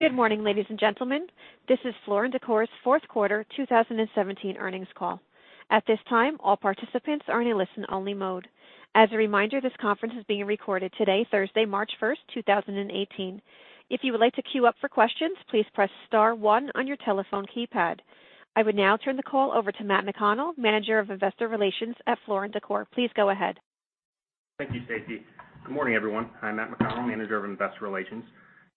Good morning, ladies and gentlemen. This is Floor & Decor's fourth quarter 2017 earnings call. At this time, all participants are in a listen-only mode. As a reminder, this conference is being recorded today, Thursday, March 1st, 2018. If you would like to queue up for questions, please press star one on your telephone keypad. I would now turn the call over to Matt McConnell, Manager of Investor Relations at Floor & Decor. Please go ahead. Thank you, Stacy. Good morning, everyone. I'm Matt McConnell, Manager of Investor Relations.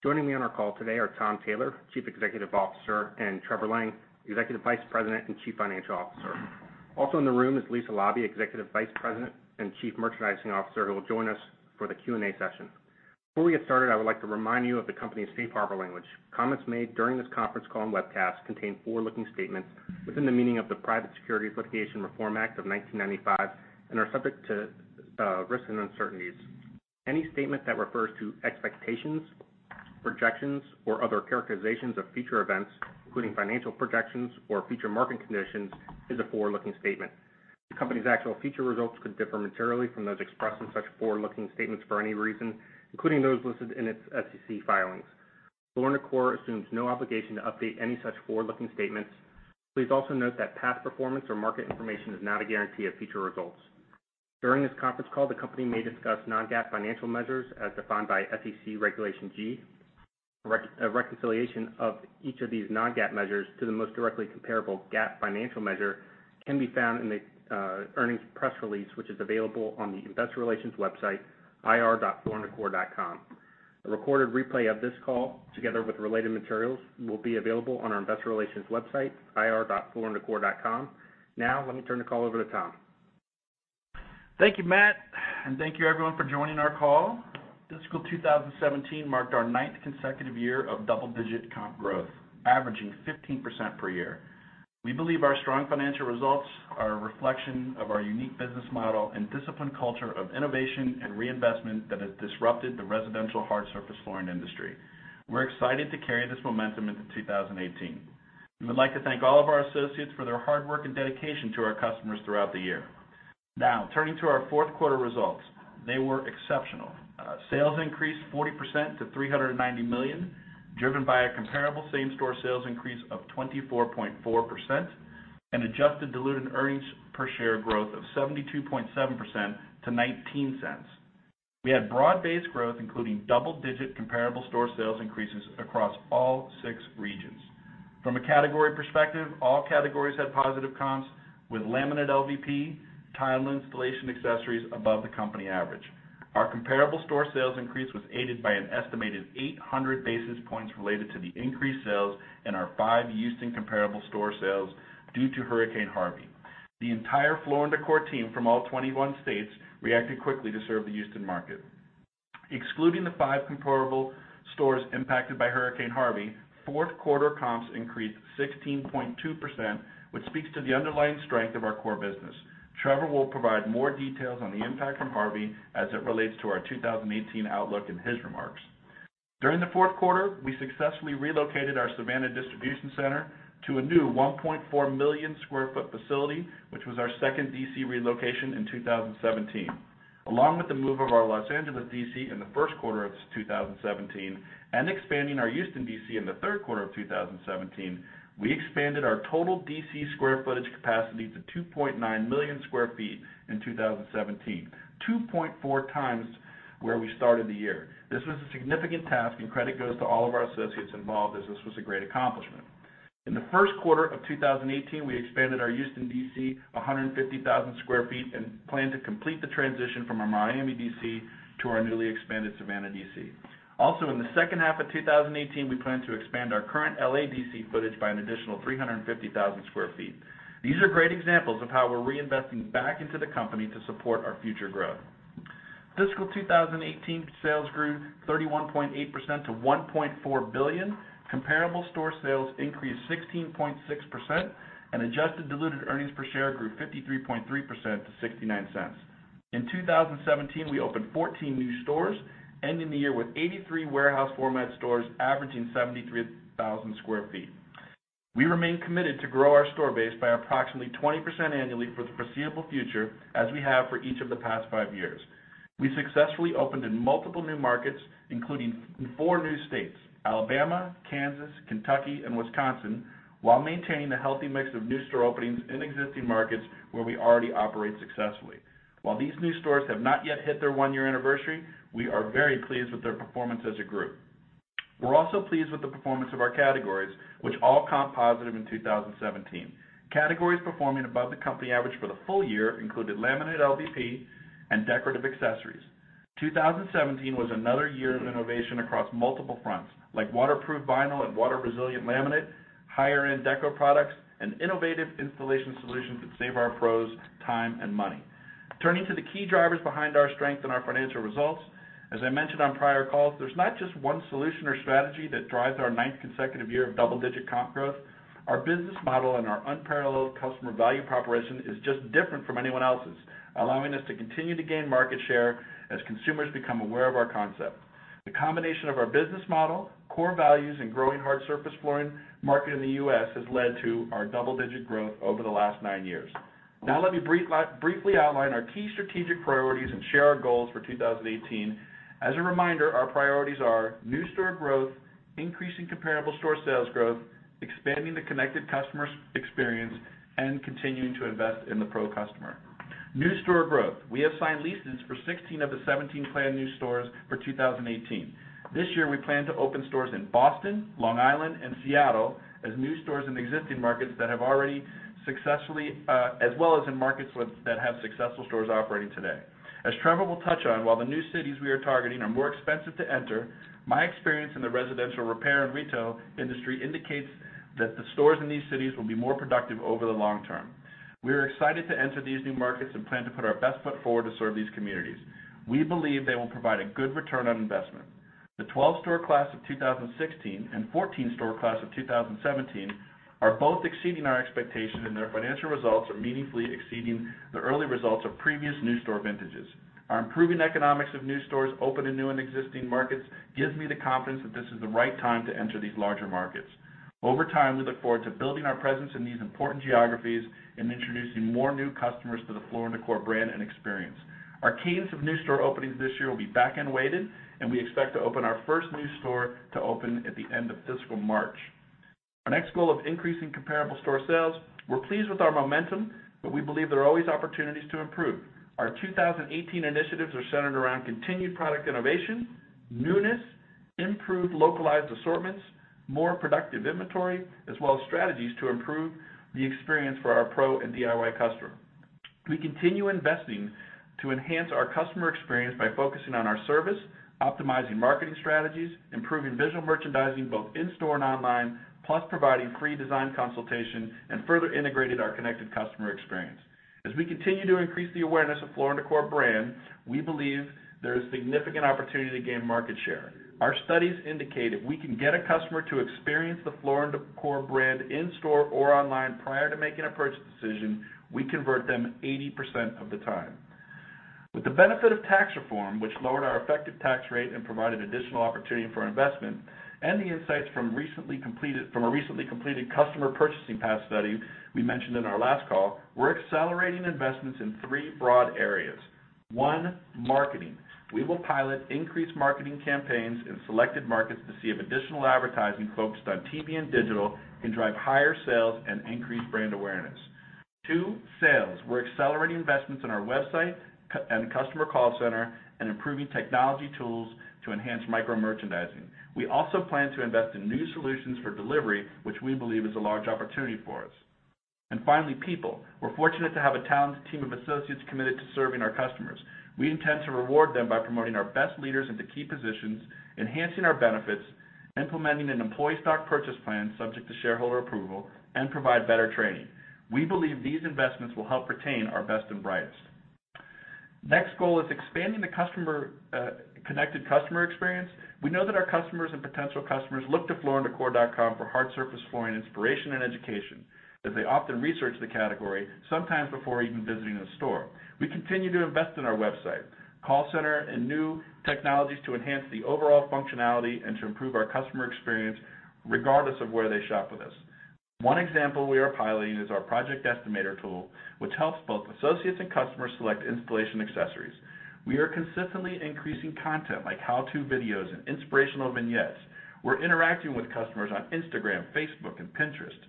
Joining me on our call today are Tom Taylor, Chief Executive Officer, and Trevor Lang, Executive Vice President and Chief Financial Officer. Also in the room is Lisa Laube, Executive Vice President and Chief Merchandising Officer, who will join us for the Q&A session. Before we get started, I would like to remind you of the company's safe harbor language. Comments made during this conference call and webcast contain forward-looking statements within the meaning of the Private Securities Litigation Reform Act of 1995 and are subject to risks and uncertainties. Any statement that refers to expectations, projections, or other characterizations of future events, including financial projections or future market conditions, is a forward-looking statement. The company's actual future results could differ materially from those expressed in such forward-looking statements for any reason, including those listed in its SEC filings. Floor & Decor assumes no obligation to update any such forward-looking statements. Please also note that past performance or market information is not a guarantee of future results. During this conference call, the company may discuss non-GAAP financial measures as defined by SEC Regulation G. A reconciliation of each of these non-GAAP measures to the most directly comparable GAAP financial measure can be found in the earnings press release, which is available on the investor relations website, ir.flooranddecor.com. A recorded replay of this call, together with related materials, will be available on our investor relations website, ir.flooranddecor.com. Now, let me turn the call over to Tom. Thank you, Matt, and thank you, everyone, for joining our call. Fiscal 2017 marked our ninth consecutive year of double-digit comp growth, averaging 15% per year. We believe our strong financial results are a reflection of our unique business model and disciplined culture of innovation and reinvestment that has disrupted the residential hard surface flooring industry. We're excited to carry this momentum into 2018. We would like to thank all of our associates for their hard work and dedication to our customers throughout the year. Turning to our fourth quarter results, they were exceptional. Sales increased 40% to $390 million, driven by a comparable same-store sales increase of 24.4% and adjusted diluted earnings per share growth of 72.7% to $0.19. We had broad-based growth, including double-digit comparable store sales increases across all six regions. From a category perspective, all categories had positive comps, with laminate LVP, tile installation accessories above the company average. Our comparable store sales increase was aided by an estimated 800 basis points related to the increased sales in our five Houston comparable store sales due to Hurricane Harvey. The entire Floor & Decor team from all 21 states reacted quickly to serve the Houston market. Excluding the five comparable stores impacted by Hurricane Harvey, fourth quarter comps increased 16.2%, which speaks to the underlying strength of our core business. Trevor will provide more details on the impact from Harvey as it relates to our 2018 outlook in his remarks. During the fourth quarter, we successfully relocated our Savannah distribution center to a new 1.4 million sq ft facility, which was our second DC relocation in 2017. Along with the move of our L.A. DC in the first quarter of 2017 and expanding our Houston DC in the third quarter of 2017, we expanded our total DC square footage capacity to 2.9 million sq ft in 2017, 2.4 times where we started the year. This was a significant task, and credit goes to all of our associates involved, as this was a great accomplishment. In the first quarter of 2018, we expanded our Houston DC 150,000 sq ft and plan to complete the transition from our Miami DC to our newly expanded Savannah DC. Also, in the second half of 2018, we plan to expand our current L.A. DC footage by an additional 350,000 sq ft. These are great examples of how we're reinvesting back into the company to support our future growth. Fiscal 2018 sales grew 31.8% to $1.4 billion. Comparable store sales increased 16.6%. Adjusted diluted earnings per share grew 53.3% to $0.69. In 2017, we opened 14 new stores, ending the year with 83 warehouse format stores averaging 73,000 sq ft. We remain committed to grow our store base by approximately 20% annually for the foreseeable future, as we have for each of the past five years. We successfully opened in multiple new markets, including four new states, Alabama, Kansas, Kentucky, and Wisconsin, while maintaining a healthy mix of new store openings in existing markets where we already operate successfully. While these new stores have not yet hit their one-year anniversary, we are very pleased with their performance as a group. We're also pleased with the performance of our categories, which all comp positive in 2017. Categories performing above the company average for the full year included laminate LVP and decorative accessories. 2017 was another year of innovation across multiple fronts, like waterproof vinyl and water-resilient laminate, higher-end deco products, and innovative installation solutions that save our pros time and money. Turning to the key drivers behind our strength and our financial results, as I mentioned on prior calls, there's not just one solution or strategy that drives our ninth consecutive year of double-digit comp growth. Our business model and our unparalleled customer value proposition is just different from anyone else's, allowing us to continue to gain market share as consumers become aware of our concept. The combination of our business model, core values, and growing hard surface flooring market in the U.S. has led to our double-digit growth over the last nine years. Now let me briefly outline our key strategic priorities and share our goals for 2018. As a reminder, our priorities are new store growth, increasing comparable store sales growth, expanding the connected customer experience, and continuing to invest in the pro customer. New store growth. We have signed leases for 16 of the 17 planned new stores for 2018. This year, we plan to open stores in Boston, Long Island, and Seattle as new stores in existing markets that have already successfully, as well as in markets that have successful stores operating today. As Trevor will touch on, while the new cities we are targeting are more expensive to enter, my experience in the residential repair and retail industry indicates that the stores in these cities will be more productive over the long term. We are excited to enter these new markets and plan to put our best foot forward to serve these communities. We believe they will provide a good return on investment. The 12-store class of 2016 and 14-store class of 2017 are both exceeding our expectations. Their financial results are meaningfully exceeding the early results of previous new store vintages. Our improving economics of new stores open and new and existing markets gives me the confidence that this is the right time to enter these larger markets. Over time, we look forward to building our presence in these important geographies and introducing more new customers to the Floor & Decor brand and experience. Our cadence of new store openings this year will be back-end weighted. We expect to open our first new store to open at the end of fiscal March. Our next goal of increasing comparable store sales. We're pleased with our momentum. We believe there are always opportunities to improve. Our 2018 initiatives are centered around continued product innovation, newness, improved localized assortments, more productive inventory, as well as strategies to improve the experience for our pro and DIY customer. We continue investing to enhance our customer experience by focusing on our service, optimizing marketing strategies, improving visual merchandising, both in-store and online, plus providing free design consultation and further integrated our connected customer experience. As we continue to increase the awareness of Floor & Decor brand, we believe there is significant opportunity to gain market share. Our studies indicate if we can get a customer to experience the Floor & Decor brand in-store or online prior to making a purchase decision, we convert them 80% of the time. With the benefit of tax reform, which lowered our effective tax rate and provided additional opportunity for investment, the insights from a recently completed customer purchasing power study we mentioned in our last call, we're accelerating investments in 3 broad areas. 1, marketing. We will pilot increased marketing campaigns in selected markets to see if additional advertising focused on TV and digital can drive higher sales and increase brand awareness. 2, sales. We're accelerating investments in our website and customer call center and improving technology tools to enhance micro-merchandising. We also plan to invest in new solutions for delivery, which we believe is a large opportunity for us. Finally, people. We're fortunate to have a talented team of associates committed to serving our customers. We intend to reward them by promoting our best leaders into key positions, enhancing our benefits, implementing an employee stock purchase plan subject to shareholder approval, and provide better training. We believe these investments will help retain our best and brightest. Next goal is expanding the connected customer experience. We know that our customers and potential customers look to flooranddecor.com for hard surface flooring inspiration and education, as they often research the category, sometimes before even visiting a store. We continue to invest in our website, call center, and new technologies to enhance the overall functionality and to improve our customer experience regardless of where they shop with us. One example we are piloting is our Project Estimator tool, which helps both associates and customers select installation accessories. We are consistently increasing content, like how-to videos and inspirational vignettes. We're interacting with customers on Instagram, Facebook, and Pinterest.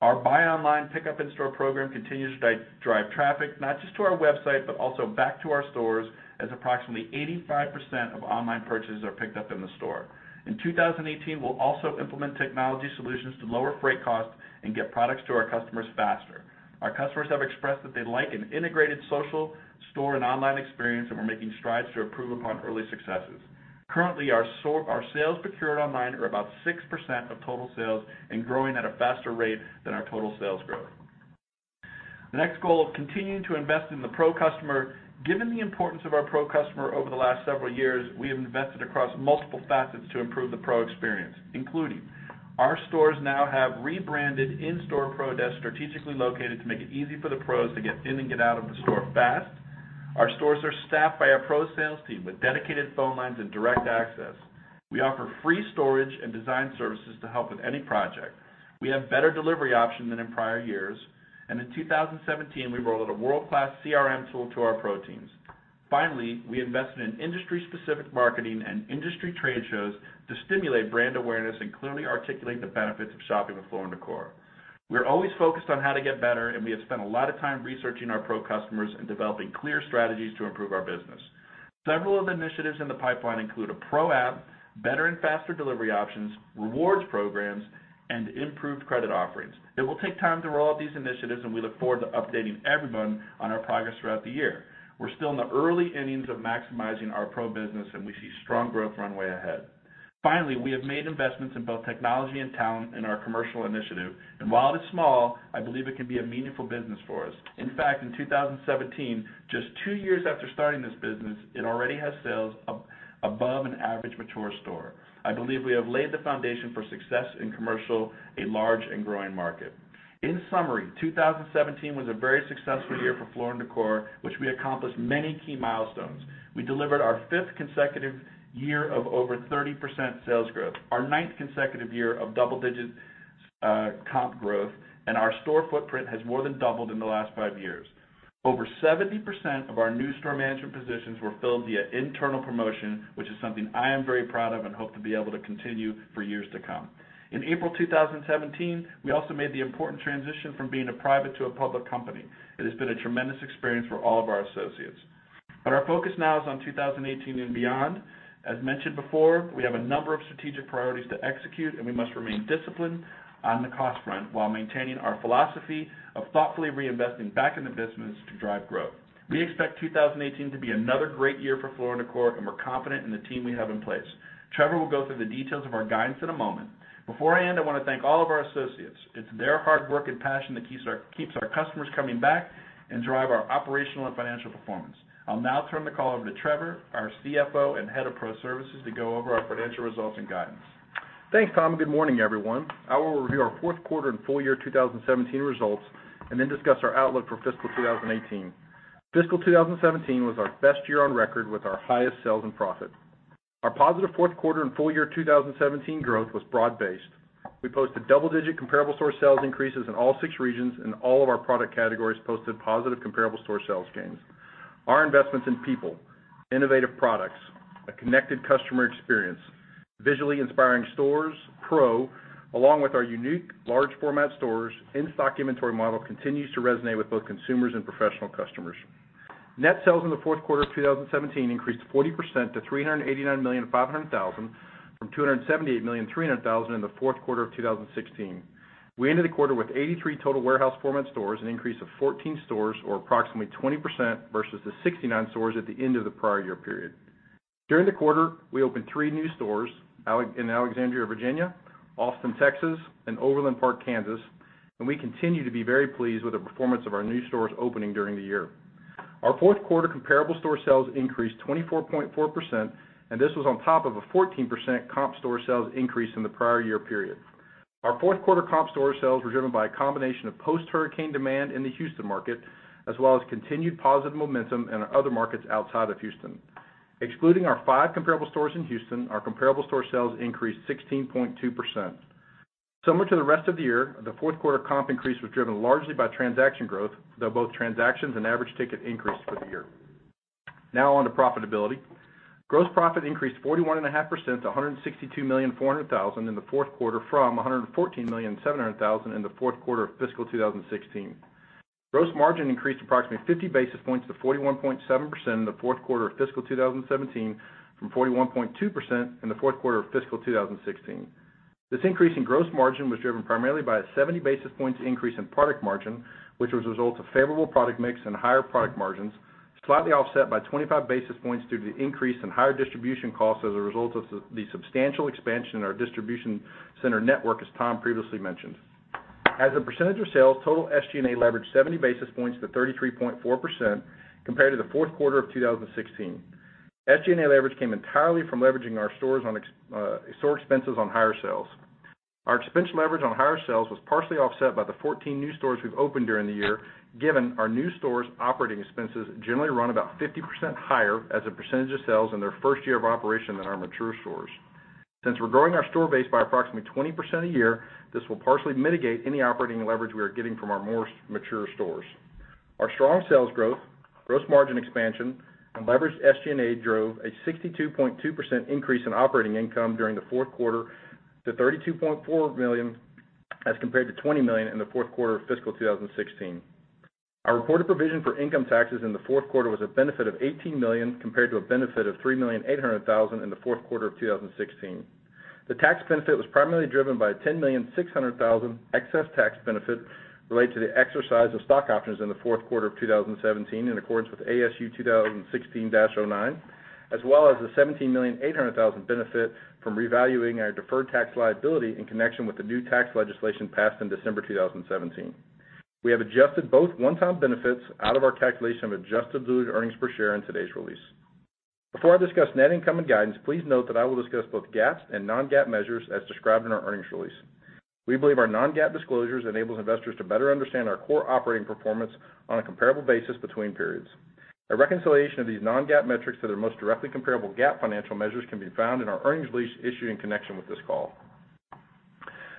Our buy online pickup in store program continues to drive traffic, not just to our website, but also back to our stores, as approximately 85% of online purchases are picked up in the store. In 2018, we'll also implement technology solutions to lower freight costs and get products to our customers faster. Our customers have expressed that they like an integrated social, store, and online experience. We're making strides to improve upon early successes. Currently, our sales procured online are about 6% of total sales and growing at a faster rate than our total sales growth. The next goal of continuing to invest in the pro customer. Given the importance of our pro customer over the last several years, we have invested across multiple facets to improve the pro experience, including our stores now have rebranded in-store pro desks strategically located to make it easy for the pros to get in and get out of the store fast. Our stores are staffed by our pro sales team with dedicated phone lines and direct access. We offer free storage and design services to help with any project. We have better delivery options than in prior years. In 2017, we rolled out a world-class CRM tool to our pro teams. We invested in industry-specific marketing and industry trade shows to stimulate brand awareness and clearly articulate the benefits of shopping with Floor & Decor. We're always focused on how to get better. We have spent a lot of time researching our pro customers and developing clear strategies to improve our business. Several of the initiatives in the pipeline include a pro app, better and faster delivery options, rewards programs, and improved credit offerings. It will take time to roll out these initiatives. We look forward to updating everyone on our progress throughout the year. We're still in the early innings of maximizing our pro business. We see strong growth runway ahead. Finally, we have made investments in both technology and talent in our commercial initiative. While it is small, I believe it can be a meaningful business for us. In fact, in 2017, just two years after starting this business, it already has sales above an average mature store. I believe we have laid the foundation for success in commercial, a large and growing market. In summary, 2017 was a very successful year for Floor & Decor, which we accomplished many key milestones. We delivered our fifth consecutive year of over 30% sales growth, our ninth consecutive year of double-digit Comp growth, and our store footprint has more than doubled in the last five years. Over 70% of our new store management positions were filled via internal promotion, which is something I am very proud of and hope to be able to continue for years to come. In April 2017, we also made the important transition from being a private to a public company. It has been a tremendous experience for all of our associates. Our focus now is on 2018 and beyond. As mentioned before, we have a number of strategic priorities to execute, and we must remain disciplined on the cost front while maintaining our philosophy of thoughtfully reinvesting back in the business to drive growth. We expect 2018 to be another great year for Floor & Decor, and we're confident in the team we have in place. Trevor will go through the details of our guidance in a moment. Beforehand, I want to thank all of our associates. It's their hard work and passion that keeps our customers coming back and drive our operational and financial performance. I'll now turn the call over to Trevor, our CFO and Head of Pro Services, to go over our financial results and guidance. Thanks, Tom, and good morning, everyone. I will review our fourth quarter and full year 2017 results and then discuss our outlook for fiscal 2018. Fiscal 2017 was our best year on record, with our highest sales and profit. Our positive fourth quarter and full year 2017 growth was broad-based. We posted double-digit comparable store sales increases in all six regions, and all of our product categories posted positive comparable store sales gains. Our investments in people, innovative products, a connected customer experience, visually inspiring stores, Pro, along with our unique large format stores, in-stock inventory model continues to resonate with both consumers and professional customers. Net sales in the fourth quarter of 2017 increased 40% to $389.5 million from $278.3 million in the fourth quarter of 2016. We ended the quarter with 83 total warehouse format stores, an increase of 14 stores or approximately 20% versus the 69 stores at the end of the prior year period. During the quarter, we opened three new stores in Alexandria, Virginia, Austin, Texas, and Overland Park, Kansas, and we continue to be very pleased with the performance of our new stores opening during the year. Our fourth quarter comparable store sales increased 24.4%, and this was on top of a 14% comp store sales increase in the prior year period. Our fourth quarter comp store sales were driven by a combination of post-Hurricane Harvey demand in the Houston market, as well as continued positive momentum in our other markets outside of Houston. Excluding our five comparable stores in Houston, our comparable store sales increased 16.2%. Similar to the rest of the year, the fourth quarter comp increase was driven largely by transaction growth, though both transactions and average ticket increased for the year. Now on to profitability. Gross profit increased 41.5% to $162,400,000 in the fourth quarter from $114,700,000 in the fourth quarter of fiscal 2016. Gross margin increased approximately 50 basis points to 41.7% in the fourth quarter of fiscal 2017 from 41.2% in the fourth quarter of fiscal 2016. This increase in gross margin was driven primarily by a 70-basis point increase in product margin, which was a result of favorable product mix and higher product margins, slightly offset by 25 basis points due to the increase in higher distribution costs as a result of the substantial expansion in our distribution center network, as Tom previously mentioned. As a percentage of sales, total SG&A leverage 70 basis points to 33.4% compared to the fourth quarter of 2016. SG&A leverage came entirely from leveraging our store expenses on higher sales. Our expense leverage on higher sales was partially offset by the 14 new stores we've opened during the year, given our new stores' operating expenses generally run about 50% higher as a percentage of sales in their first year of operation than our mature stores. Since we're growing our store base by approximately 20% a year, this will partially mitigate any operating leverage we are getting from our more mature stores. Our strong sales growth, gross margin expansion, and leveraged SG&A drove a 62.2% increase in operating income during the fourth quarter to $32.4 million as compared to $20 million in the fourth quarter of fiscal 2016. Our reported provision for income taxes in the fourth quarter was a benefit of $18 million compared to a benefit of $3,800,000 in the fourth quarter of 2016. The tax benefit was primarily driven by a $10,600,000 excess tax benefit related to the exercise of stock options in the fourth quarter of 2017, in accordance with ASU 2016-09, as well as the $17,800,000 benefit from revaluing our deferred tax liability in connection with the new tax legislation passed in December 2017. We have adjusted both one-time benefits out of our calculation of adjusted diluted earnings per share in today's release. Before I discuss net income and guidance, please note that I will discuss both GAAP and non-GAAP measures as described in our earnings release. We believe our non-GAAP disclosures enable investors to better understand our core operating performance on a comparable basis between periods. A reconciliation of these non-GAAP metrics to their most directly comparable GAAP financial measures can be found in our earnings release issued in connection with this call.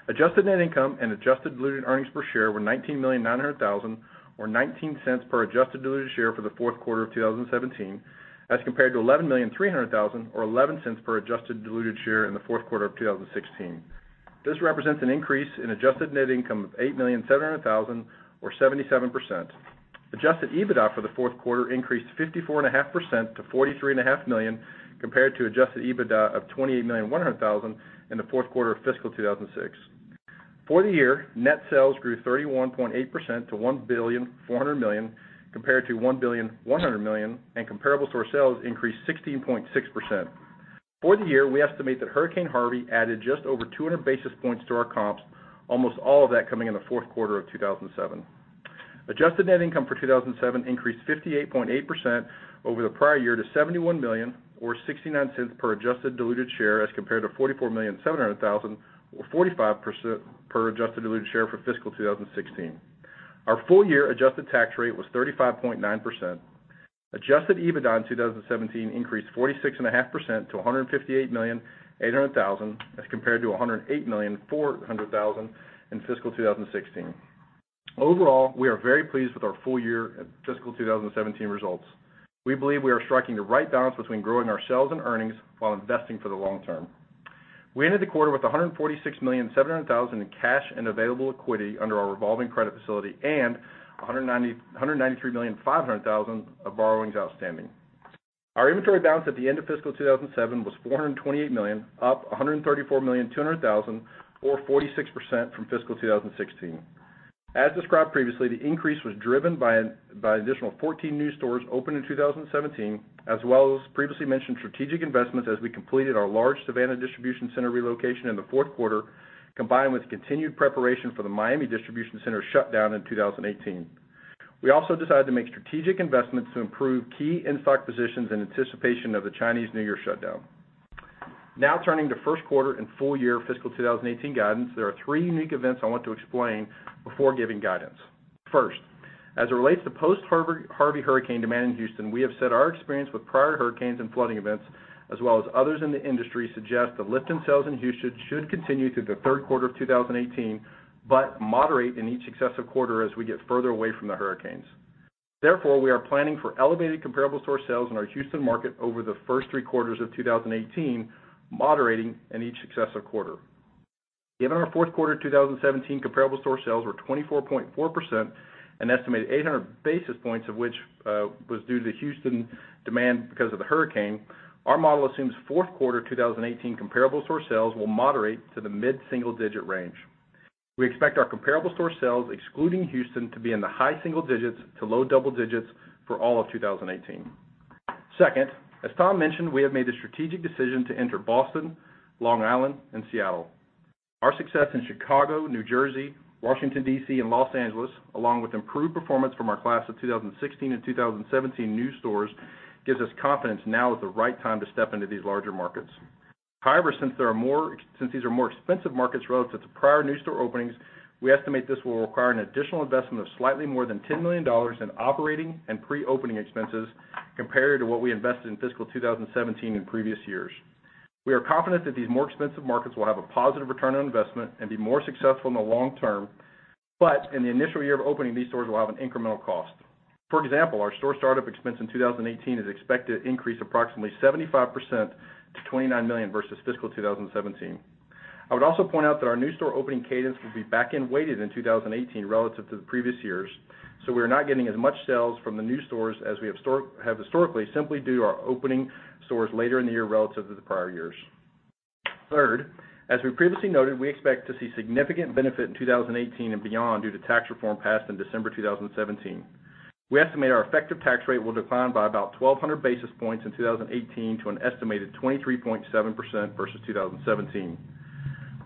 Adjusted net income and adjusted diluted earnings per share were $19,900,000 or $0.19 per adjusted diluted share for the fourth quarter of 2017 as compared to $11,300,000 or $0.11 per adjusted diluted share in the fourth quarter of 2016. This represents an increase in adjusted net income of $8,700,000 or 77%. Adjusted EBITDA for the fourth quarter increased 54.5% to $43.5 million compared to adjusted EBITDA of $28,100,000 in the fourth quarter of fiscal 2016. For the year, net sales grew 31.8% to $1,400,000,000 compared to $1,100,000,000, and comparable store sales increased 16.6%. For the year, we estimate that Hurricane Harvey added just over 200 basis points to our comps, almost all of that coming in the fourth quarter of 2007. Adjusted net income for 2017 increased 58.8% over the prior year to $71 million or $0.69 per adjusted diluted share as compared to $44,700,000 or $0.45 per adjusted diluted share for fiscal 2016. Our full-year adjusted tax rate was 35.9%. Adjusted EBITDA in 2017 increased 46.5% to $158,800,000 as compared to $108,400,000 in fiscal 2016. Overall, we are very pleased with our full year and fiscal 2017 results. We believe we are striking the right balance between growing our sales and earnings while investing for the long term. We ended the quarter with $146,700,000 in cash and available equity under our revolving credit facility and $193,500,000 of borrowings outstanding. Our inventory balance at the end of fiscal 2017 was $428 million, up $134,200,000, or 46% from fiscal 2016. As described previously, the increase was driven by an additional 14 new stores opened in 2017, as well as previously mentioned strategic investments as we completed our large Savannah distribution center relocation in the fourth quarter, combined with continued preparation for the Miami distribution center shutdown in 2018. We also decided to make strategic investments to improve key in-stock positions in anticipation of the Chinese New Year shutdown. Turning to first quarter and full year fiscal 2018 guidance. There are three unique events I want to explain before giving guidance. First, as it relates to post-Harvey hurricane demand in Houston, we have said our experience with prior hurricanes and flooding events, as well as others in the industry, suggest the lift in sales in Houston should continue through the third quarter of 2018, but moderate in each successive quarter as we get further away from the hurricanes. Therefore, we are planning for elevated comparable store sales in our Houston market over the first three quarters of 2018, moderating in each successive quarter. Given our fourth quarter 2017 comparable store sales were 24.4%, an estimated 800 basis points of which was due to the Houston demand because of the hurricane, our model assumes fourth quarter 2018 comparable store sales will moderate to the mid-single-digit range. We expect our comparable store sales, excluding Houston, to be in the high single digits to low double digits for all of 2018. Second, as Tom mentioned, we have made the strategic decision to enter Boston, Long Island, and Seattle. Our success in Chicago, New Jersey, Washington, D.C., and Los Angeles, along with improved performance from our class of 2016 and 2017 new stores, gives us confidence now is the right time to step into these larger markets. Since these are more expensive markets relative to prior new store openings, we estimate this will require an additional investment of slightly more than $10 million in operating and pre-opening expenses compared to what we invested in fiscal 2017 in previous years. We are confident that these more expensive markets will have a positive return on investment and be more successful in the long term, but in the initial year of opening, these stores will have an incremental cost. For example, our store startup expense in 2018 is expected to increase approximately 75% to $29 million versus fiscal 2017. I would also point out that our new store opening cadence will be back-end weighted in 2018 relative to the previous years, so we are not getting as much sales from the new stores as we have historically, simply due to our opening stores later in the year relative to the prior years. Third, as we previously noted, we expect to see significant benefit in 2018 and beyond due to tax reform passed in December 2017. We estimate our effective tax rate will decline by about 1,200 basis points in 2018 to an estimated 23.7% versus 2017.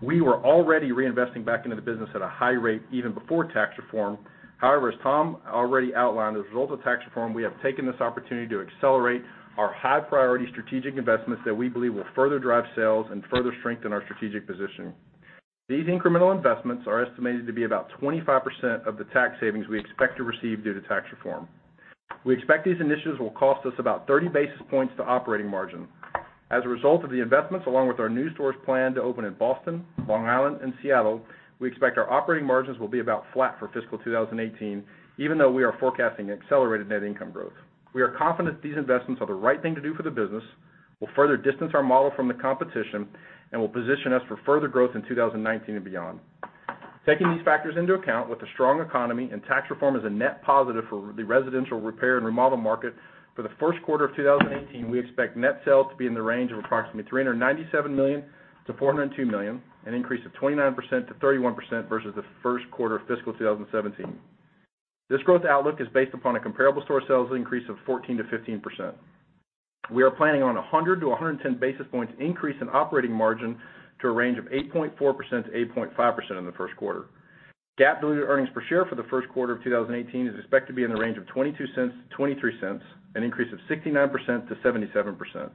We were already reinvesting back into the business at a high rate even before tax reform. However, as Tom already outlined, as a result of tax reform, we have taken this opportunity to accelerate our high-priority strategic investments that we believe will further drive sales and further strengthen our strategic position. These incremental investments are estimated to be about 25% of the tax savings we expect to receive due to tax reform. We expect these initiatives will cost us about 30 basis points to operating margin. As a result of the investments, along with our new stores planned to open in Boston, Long Island, and Seattle, we expect our operating margins will be about flat for fiscal 2018, even though we are forecasting accelerated net income growth. We are confident these investments are the right thing to do for the business, will further distance our model from the competition, and will position us for further growth in 2019 and beyond. Taking these factors into account, with a strong economy and tax reform as a net positive for the residential repair and remodel market for the first quarter of 2018, we expect net sales to be in the range of approximately $397 million to $402 million, an increase of 29%-31% versus the first quarter of fiscal 2017. This growth outlook is based upon a comparable store sales increase of 14%-15%. We are planning on 100 to 110 basis points increase in operating margin to a range of 8.4%-8.5% in the first quarter. GAAP diluted earnings per share for the first quarter of 2018 is expected to be in the range of $0.22 to $0.23, an increase of 69%-77%.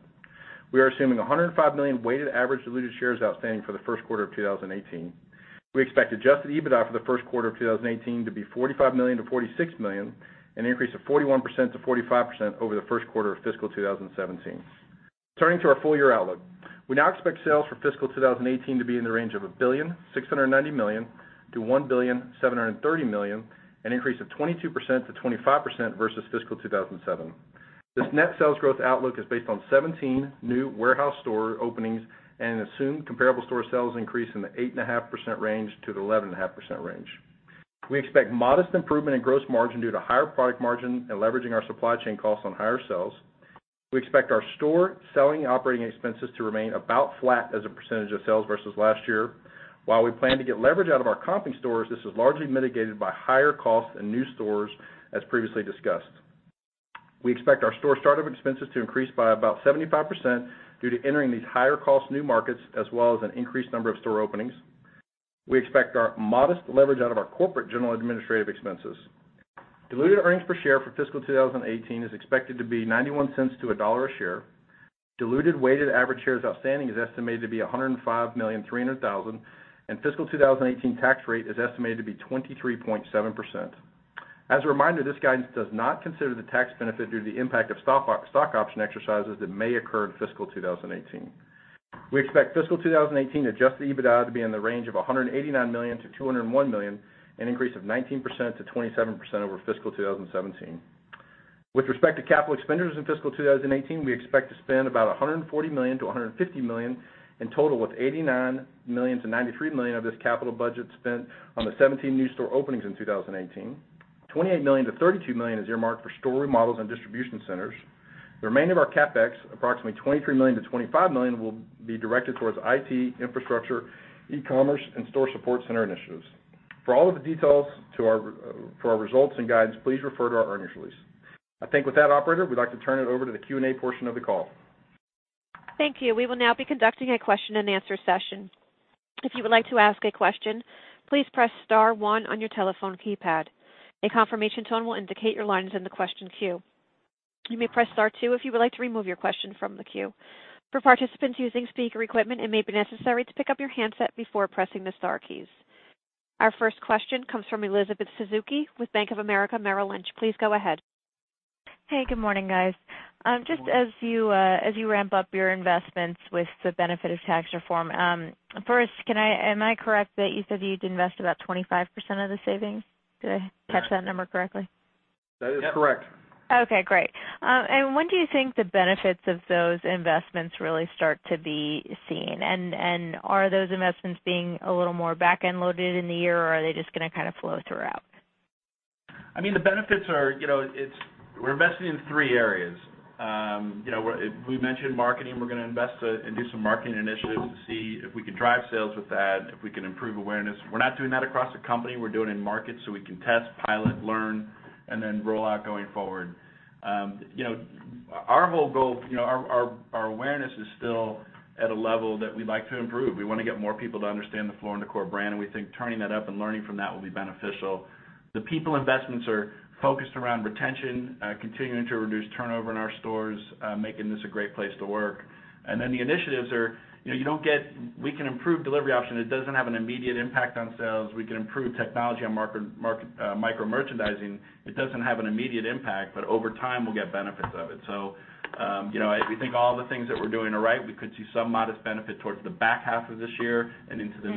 We are assuming 105 million weighted average diluted shares outstanding for the first quarter of 2018. We expect adjusted EBITDA for the first quarter of 2018 to be $45 million-$46 million, an increase of 41%-45% over the first quarter of fiscal 2017. Turning to our full-year outlook, we now expect sales for fiscal 2018 to be in the range of $1.690 billion-$1.730 billion, an increase of 22%-25% versus fiscal 2007. This net sales growth outlook is based on 17 new warehouse store openings and an assumed comparable store sales increase in the 8.5% range to the 11.5% range. We expect modest improvement in gross margin due to higher product margin and leveraging our supply chain costs on higher sales. We expect our store selling operating expenses to remain about flat as a % of sales versus last year. While we plan to get leverage out of our comping stores, this is largely mitigated by higher costs in new stores, as previously discussed. We expect our store startup expenses to increase by about 75% due to entering these higher cost new markets, as well as an increased number of store openings. We expect our modest leverage out of our corporate general administrative expenses. Diluted earnings per share for fiscal 2018 is expected to be $0.91-$1.00 a share. Diluted weighted average shares outstanding is estimated to be 105,300,000, and fiscal 2018 tax rate is estimated to be 23.7%. As a reminder, this guidance does not consider the tax benefit due to the impact of stock option exercises that may occur in fiscal 2018. We expect fiscal 2018 adjusted EBITDA to be in the range of $189 million-$201 million, an increase of 19%-27% over fiscal 2017. With respect to capital expenditures in fiscal 2018, we expect to spend about $140 million-$150 million in total, with $89 million-$93 million of this capital budget spent on the 17 new store openings in 2018. $28 million-$32 million is earmarked for store remodels and distribution centers. The remainder of our CapEx, approximately $23 million-$25 million, will be directed towards IT, infrastructure, e-commerce, and store support center initiatives. For all of the details for our results and guidance, please refer to our earnings release. I think with that, operator, we'd like to turn it over to the Q&A portion of the call. Thank you. We will now be conducting a question and answer session. If you would like to ask a question, please press *1 on your telephone keypad. A confirmation tone will indicate your line is in the question queue. You may press *2 if you would like to remove your question from the queue. For participants using speaker equipment, it may be necessary to pick up your handset before pressing the star keys. Our first question comes from Elizabeth Suzuki with Bank of America Merrill Lynch. Please go ahead. Hey, good morning guys. Good morning. Just as you ramp up your investments with the benefit of tax reform, first, am I correct that you said you'd invest about 25% of the savings? Did I catch that number correctly? That is correct. Okay, great. When do you think the benefits of those investments really start to be seen? Are those investments being a little more back-end loaded in the year, or are they just going to flow throughout? The benefits are, we're investing in three areas. We mentioned marketing. We're going to invest and do some marketing initiatives to see if we can drive sales with that, if we can improve awareness. We're not doing that across the company. We're doing it in markets so we can test, pilot, learn, and then roll out going forward. Our whole goal, our awareness is still at a level that we'd like to improve. We want to get more people to understand the Floor & Decor brand. We think turning that up and learning from that will be beneficial. The people investments are focused around retention, continuing to reduce turnover in our stores, making this a great place to work. Then the initiatives are, we can improve delivery options. It doesn't have an immediate impact on sales. We can improve technology on micro-merchandising. It doesn't have an immediate impact, but over time, we'll get benefits of it. We think all the things that we're doing are right. We could see some modest benefit towards the back half of this year and into the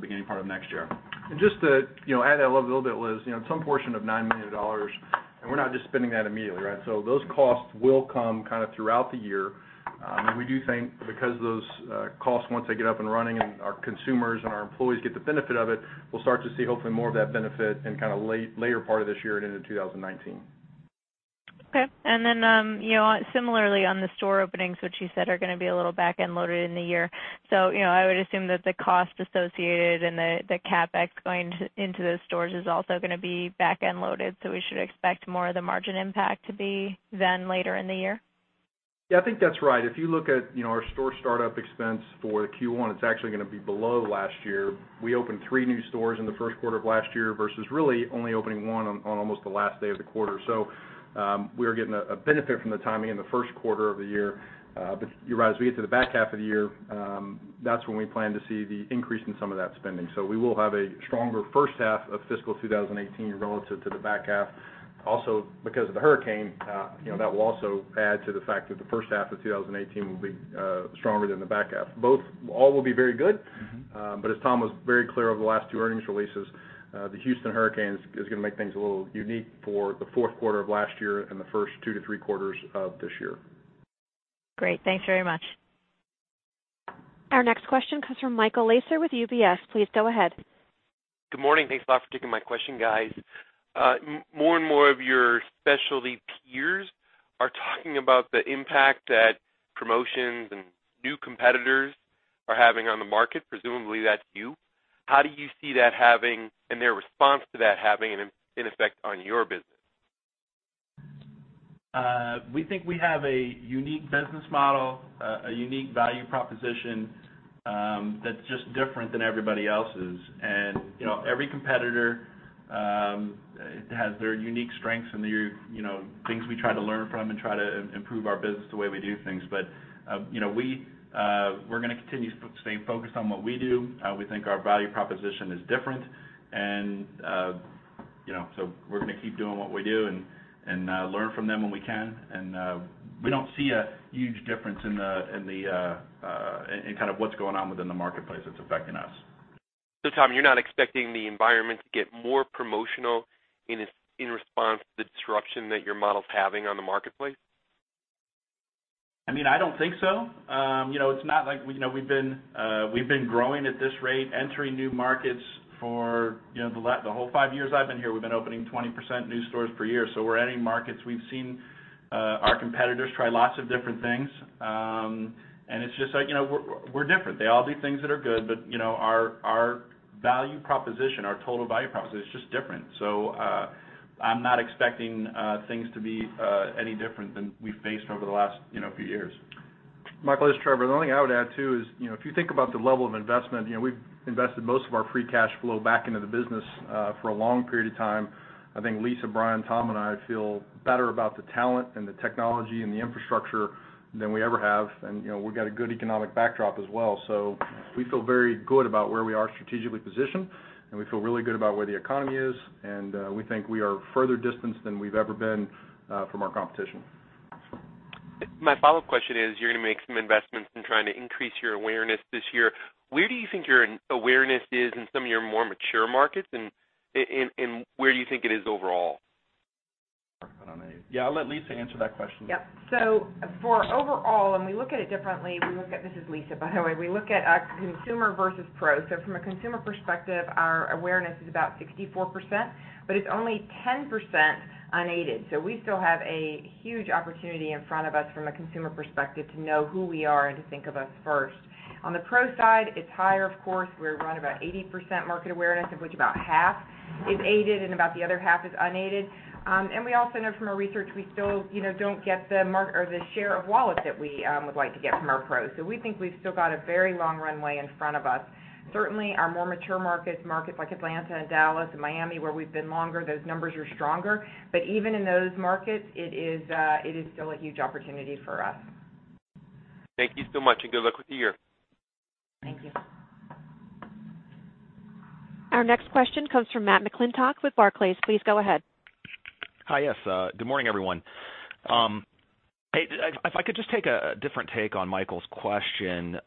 beginning part of next year. Just to add to that a little bit, Liz, some portion of $9 million. We're not just spending that immediately. Those costs will come throughout the year. We do think because those costs, once they get up and running and our consumers and our employees get the benefit of it, we'll start to see hopefully more of that benefit in later part of this year and into 2019. Okay. Then, similarly on the store openings, which you said are going to be a little back-end loaded in the year. I would assume that the cost associated and the CapEx going into those stores is also going to be back-end loaded. We should expect more of the margin impact to be then later in the year. Yeah, I think that's right. If you look at our store startup expense for Q1, it's actually going to be below last year. We opened 3 new stores in the first quarter of last year versus really only opening 1 on almost the last day of the quarter. We are getting a benefit from the timing in the first quarter of the year. You're right, as we get to the back half of the year, that's when we plan to see the increase in some of that spending. We will have a stronger first half of fiscal 2018 relative to the back half. Also, because of Hurricane Harvey, that will also add to the fact that the first half of 2018 will be stronger than the back half. All will be very good. As Tom was very clear over the last 2 earnings releases, Hurricane Harvey is going to make things a little unique for the fourth quarter of last year and the first 2 to 3 quarters of this year. Great. Thanks very much. Our next question comes from Michael Lasser with UBS. Please go ahead. Good morning. Thanks a lot for taking my question, guys. More and more of your specialty peers are talking about the impact that promotions and new competitors are having on the market, presumably that's you. How do you see that having, and their response to that having an effect on your business? We think we have a unique business model, a unique value proposition that's just different than everybody else's. Every competitor has their unique strengths and things we try to learn from and try to improve our business the way we do things. We're going to continue staying focused on what we do. We think our value proposition is different. We're going to keep doing what we do and learn from them when we can. We don't see a huge difference in what's going on within the marketplace that's affecting us. Tom, you're not expecting the environment to get more promotional in response to the disruption that your model's having on the marketplace? I don't think so. It's not like we've been growing at this rate, entering new markets for the whole five years I've been here. We've been opening 20% new stores per year. We're entering markets. We've seen our competitors try lots of different things. It's just like we're different. They all do things that are good, our value proposition, our total value proposition is just different. I'm not expecting things to be any different than we've faced over the last few years. Michael, this is Trevor. The only thing I would add too is, if you think about the level of investment, we've invested most of our free cash flow back into the business for a long period of time. I think Lisa, Bryan, Tom, and I feel better about the talent and the technology and the infrastructure than we ever have. We've got a good economic backdrop as well. We feel very good about where we are strategically positioned, and we feel really good about where the economy is, and we think we are further distanced than we've ever been from our competition. My follow-up question is, you're going to make some investments in trying to increase your awareness this year. Where do you think your awareness is in some of your more mature markets, and where do you think it is overall? Yeah, I'll let Lisa answer that question. Yep. For overall, and we look at it differently, this is Lisa, by the way. We look at consumer versus pro. From a consumer perspective, our awareness is about 64%, but it's only 10% unaided. We still have a huge opportunity in front of us from a consumer perspective to know who we are and to think of us first. On the pro side, it's higher, of course. We run about 80% market awareness, of which about half is aided and about the other half is unaided. We also know from our research, we still don't get the share of wallet that we would like to get from our pros. We think we've still got a very long runway in front of us. Certainly our more mature markets like Atlanta and Dallas and Miami, where we've been longer, those numbers are stronger. Even in those markets, it is still a huge opportunity for us. Thank you so much, and good luck with the year. Thank you. Our next question comes from Matt McClintock with Barclays. Please go ahead. Hi, yes. Good morning, everyone. If I could just take a different take on Michael's question.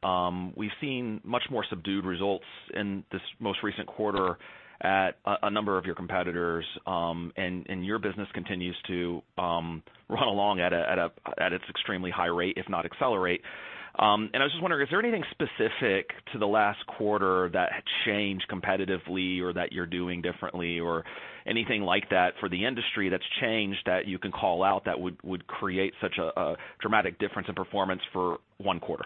We've seen much more subdued results in this most recent quarter at a number of your competitors, and your business continues to run along at its extremely high rate, if not accelerate. I was just wondering, is there anything specific to the last quarter that changed competitively or that you're doing differently or anything like that for the industry that's changed that you can call out that would create such a dramatic difference in performance for one quarter?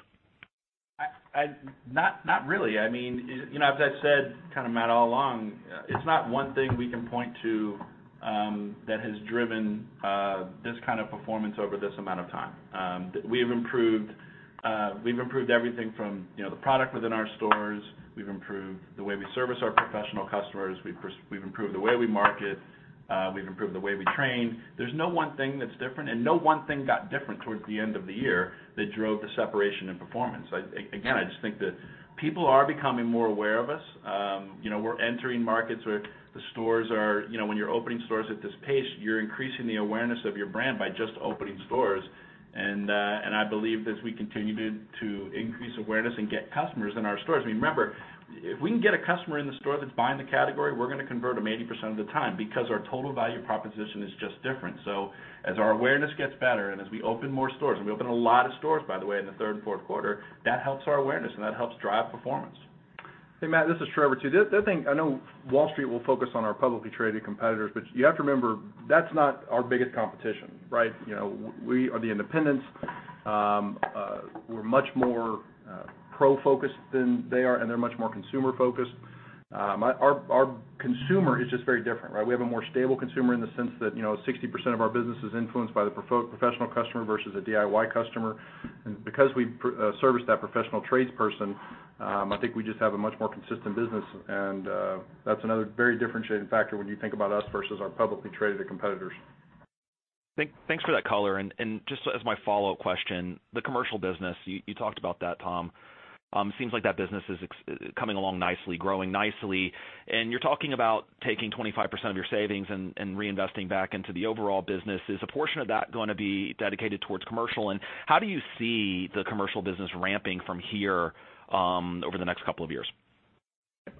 Not really. As I said, Matt, all along, it's not one thing we can point to that has driven this kind of performance over this amount of time. We've improved everything from the product within our stores. We've improved the way we service our professional customers. We've improved the way we market. We've improved the way we train. There's no one thing that's different, and no one thing got different towards the end of the year that drove the separation in performance. Again, I just think that people are becoming more aware of us. We're entering markets where when you're opening stores at this pace, you're increasing the awareness of your brand by just opening stores. I believe as we continue to increase awareness and get customers in our stores. Remember, if we can get a customer in the store that's buying the category, we're going to convert them 80% of the time because our total value proposition is just different. As our awareness gets better and as we open more stores, and we open a lot of stores, by the way, in the third and fourth quarter, that helps our awareness and that helps drive performance. Hey, Matt, this is Trevor, too. I know Wall Street will focus on our publicly traded competitors, but you have to remember, that's not our biggest competition. We are the independents. We're much more pro-focused than they are, and they're much more consumer-focused. Our consumer is just very different. We have a more stable consumer in the sense that 60% of our business is influenced by the professional customer versus a DIY customer. Because we service that professional trades person, I think we just have a much more consistent business, and that's another very differentiating factor when you think about us versus our publicly traded competitors. Thanks for that color. Just as my follow-up question, the commercial business, you talked about that, Tom. Seems like that business is coming along nicely, growing nicely. You're talking about taking 25% of your savings and reinvesting back into the overall business. Is a portion of that going to be dedicated towards commercial? How do you see the commercial business ramping from here over the next couple of years?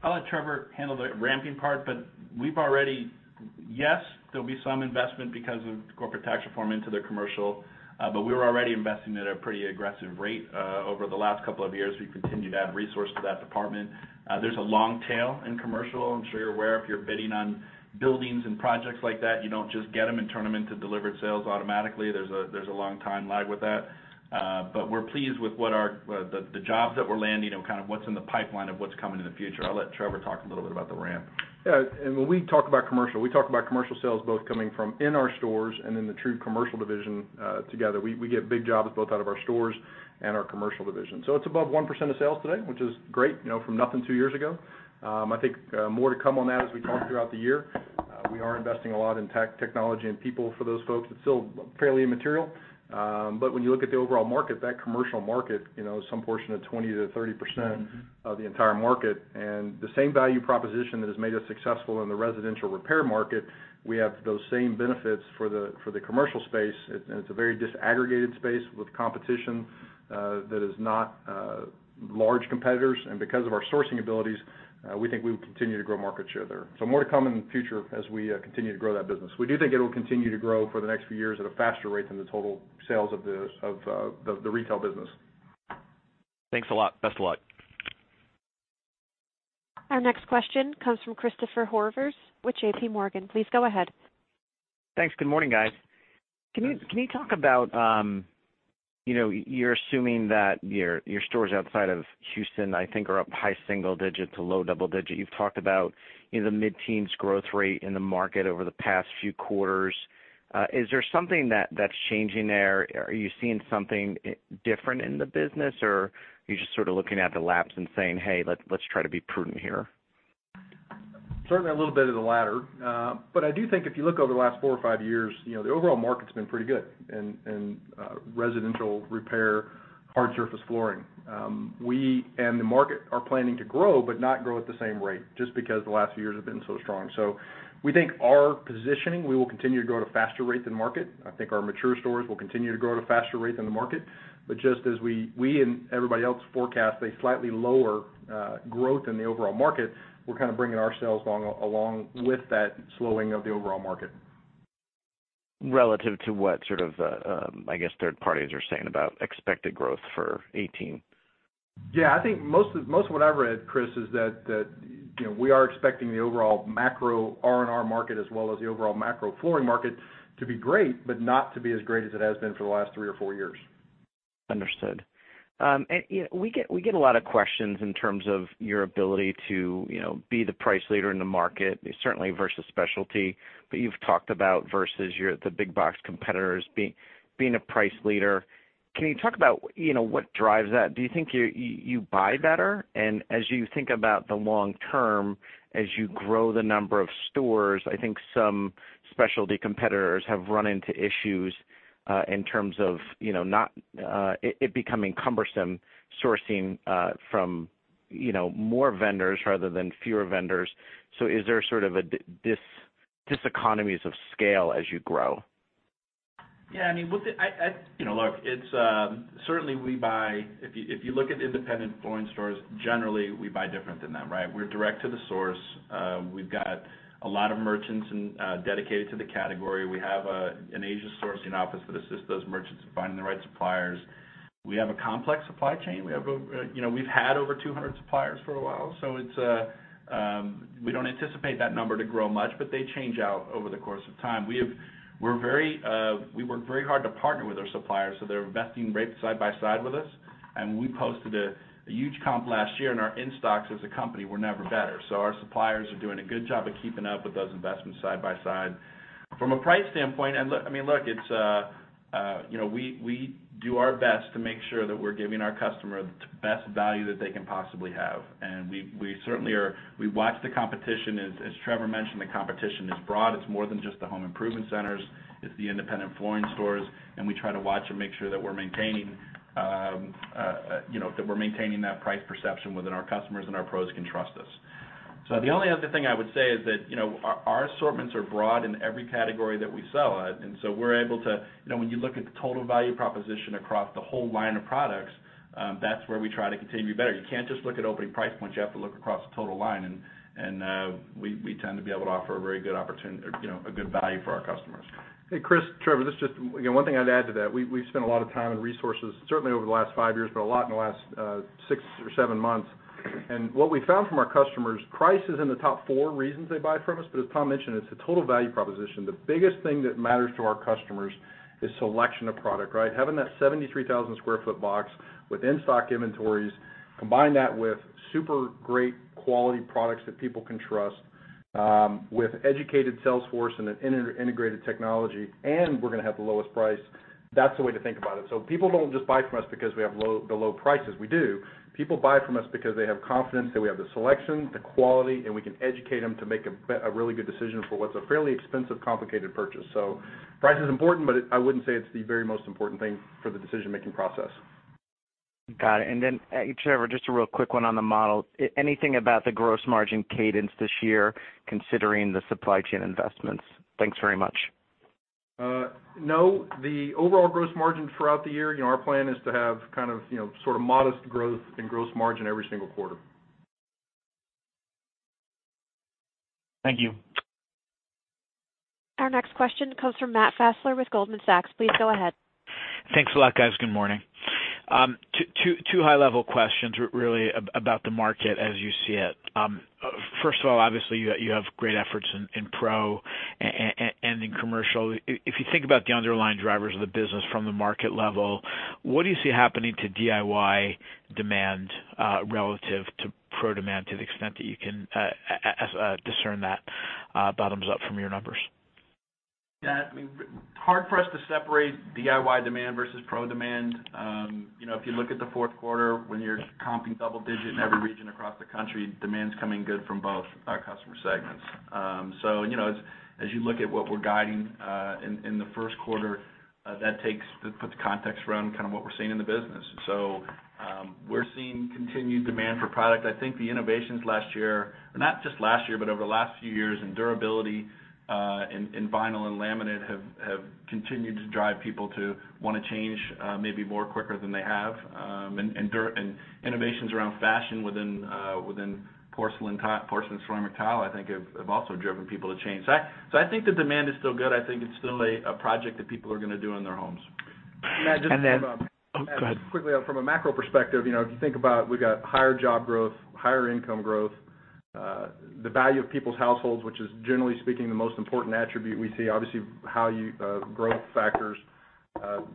I'll let Trevor handle the ramping part. There'll be some investment because of corporate tax reform into the commercial, we were already investing at a pretty aggressive rate over the last couple of years. We continue to add resource to that department. There's a long tail in commercial. I'm sure you're aware if you're bidding on buildings and projects like that, you don't just get them and turn them into delivered sales automatically. There's a long time lag with that. We're pleased with the jobs that we're landing and what's in the pipeline of what's coming in the future. I'll let Trevor talk a little bit about the ramp. When we talk about commercial, we talk about commercial sales both coming from in our stores and in the true commercial division together. We get big jobs both out of our stores and our commercial division. It's above 1% of sales today, which is great from nothing two years ago. I think more to come on that as we talk throughout the year. We are investing a lot in technology and people for those folks. It's still fairly immaterial. When you look at the overall market, that commercial market, some portion of 20%-30% of the entire market, and the same value proposition that has made us successful in the residential repair market, we have those same benefits for the commercial space. It's a very disaggregated space with competition that is not large competitors. Because of our sourcing abilities, we think we will continue to grow market share there. More to come in the future as we continue to grow that business. We do think it will continue to grow for the next few years at a faster rate than the total sales of the retail business. Thanks a lot. Best of luck. Our next question comes from Christopher Horvers with JP Morgan. Please go ahead. Thanks. Good morning, guys. You're assuming that your stores outside of Houston, I think, are up high single-digit to low double-digit. You've talked about the mid-teens growth rate in the market over the past few quarters. Is there something that's changing there? Are you seeing something different in the business, or are you just sort of looking at the laps and saying, "Hey, let's try to be prudent here? Certainly a little bit of the latter. I do think if you look over the last four or five years, the overall market's been pretty good in residential repair, hard surface flooring. We and the market are planning to grow, but not grow at the same rate, just because the last few years have been so strong. We think our positioning, we will continue to grow at a faster rate than market. I think our mature stores will continue to grow at a faster rate than the market. Just as we and everybody else forecast a slightly lower growth in the overall market, we're kind of bringing ourselves along with that slowing of the overall market. Relative to what sort of, I guess, third parties are saying about expected growth for 2018. Yeah, I think most of what I've read, Chris, is that we are expecting the overall macro R&R market, as well as the overall macro flooring market to be great, but not to be as great as it has been for the last three or four years. Understood. We get a lot of questions in terms of your ability to be the price leader in the market, certainly versus specialty. You've talked about versus your, the big box competitors being a price leader. Can you talk about what drives that? Do you think you buy better? As you think about the long term, as you grow the number of stores, I think some specialty competitors have run into issues in terms of it becoming cumbersome sourcing from more vendors rather than fewer vendors. Is there sort of a diseconomies of scale as you grow? Yeah. Look, certainly we buy. If you look at independent flooring stores, generally, we buy different than them, right? We're direct to the source. We've got a lot of merchants dedicated to the category. We have an Asia sourcing office that assists those merchants in finding the right suppliers. We have a complex supply chain. We've had over 200 suppliers for a while. We don't anticipate that number to grow much. They change out over the course of time. We work very hard to partner with our suppliers. They're investing right side by side with us. We posted a huge comp last year. Our in-stocks as a company were never better. Our suppliers are doing a good job of keeping up with those investments side by side. From a price standpoint, look, we do our best to make sure that we're giving our customer the best value that they can possibly have. We certainly watch the competition. As Trevor mentioned, the competition is broad. It's more than just the home improvement centers. It's the independent flooring stores, and we try to watch and make sure that we're maintaining that price perception within our customers, and our pros can trust us. The only other thing I would say is that our assortments are broad in every category that we sell at. We're able to. When you look at the total value proposition across the whole line of products, that's where we try to continue to be better. You can't just look at opening price points. You have to look across the total line, and we tend to be able to offer a very good value for our customers. Hey, Chris, Trevor, just one thing I'd add to that. We've spent a lot of time and resources, certainly over the last five years, but a lot in the last six or seven months. What we found from our customers, price is in the top four reasons they buy from us, but as Tom mentioned, it's the total value proposition. The biggest thing that matters to our customers is selection of product, right? Having that 73,000 sq ft box with in-stock inventories, combine that with super great quality products that people can trust, with educated sales force and an integrated technology, and we're going to have the lowest price. That's the way to think about it. People don't just buy from us because we have the low prices. We do. People buy from us because they have confidence that we have the selection, the quality, and we can educate them to make a really good decision for what's a fairly expensive, complicated purchase. Price is important, but I wouldn't say it's the very most important thing for the decision-making process. Got it. Trevor, just a real quick one on the model. Anything about the gross margin cadence this year, considering the supply chain investments? Thanks very much. No. The overall gross margin throughout the year, our plan is to have sort of modest growth in gross margin every single quarter. Thank you. Our next question comes from Matt Fassler with Goldman Sachs. Please go ahead. Thanks a lot, guys. Good morning. Two high-level questions, really, about the market as you see it. Obviously, you have great efforts in pro and in commercial. If you think about the underlying drivers of the business from the market level, what do you see happening to DIY demand relative to pro demand to the extent that you can discern that bottoms up from your numbers? Yeah. Hard for us to separate DIY demand versus pro demand. If you look at the fourth quarter when you're comping double digit in every region across the country, demand's coming good from both our customer segments. As you look at what we're guiding in the first quarter, that puts context around kind of what we're seeing in the business. We're seeing continued demand for product. I think the innovations last year, not just last year, but over the last few years in durability, in vinyl and laminate, have continued to drive people to want to change maybe more quicker than they have. Innovations around fashion within porcelain ceramic tile, I think, have also driven people to change. I think the demand is still good. I think it's still a project that people are going to do in their homes. [inaudible] Matt, just from a- Oh, go ahead Quickly from a macro perspective, if you think about we've got higher job growth, higher income growth, the value of people's households, which is, generally speaking, the most important attribute we see, obviously growth factors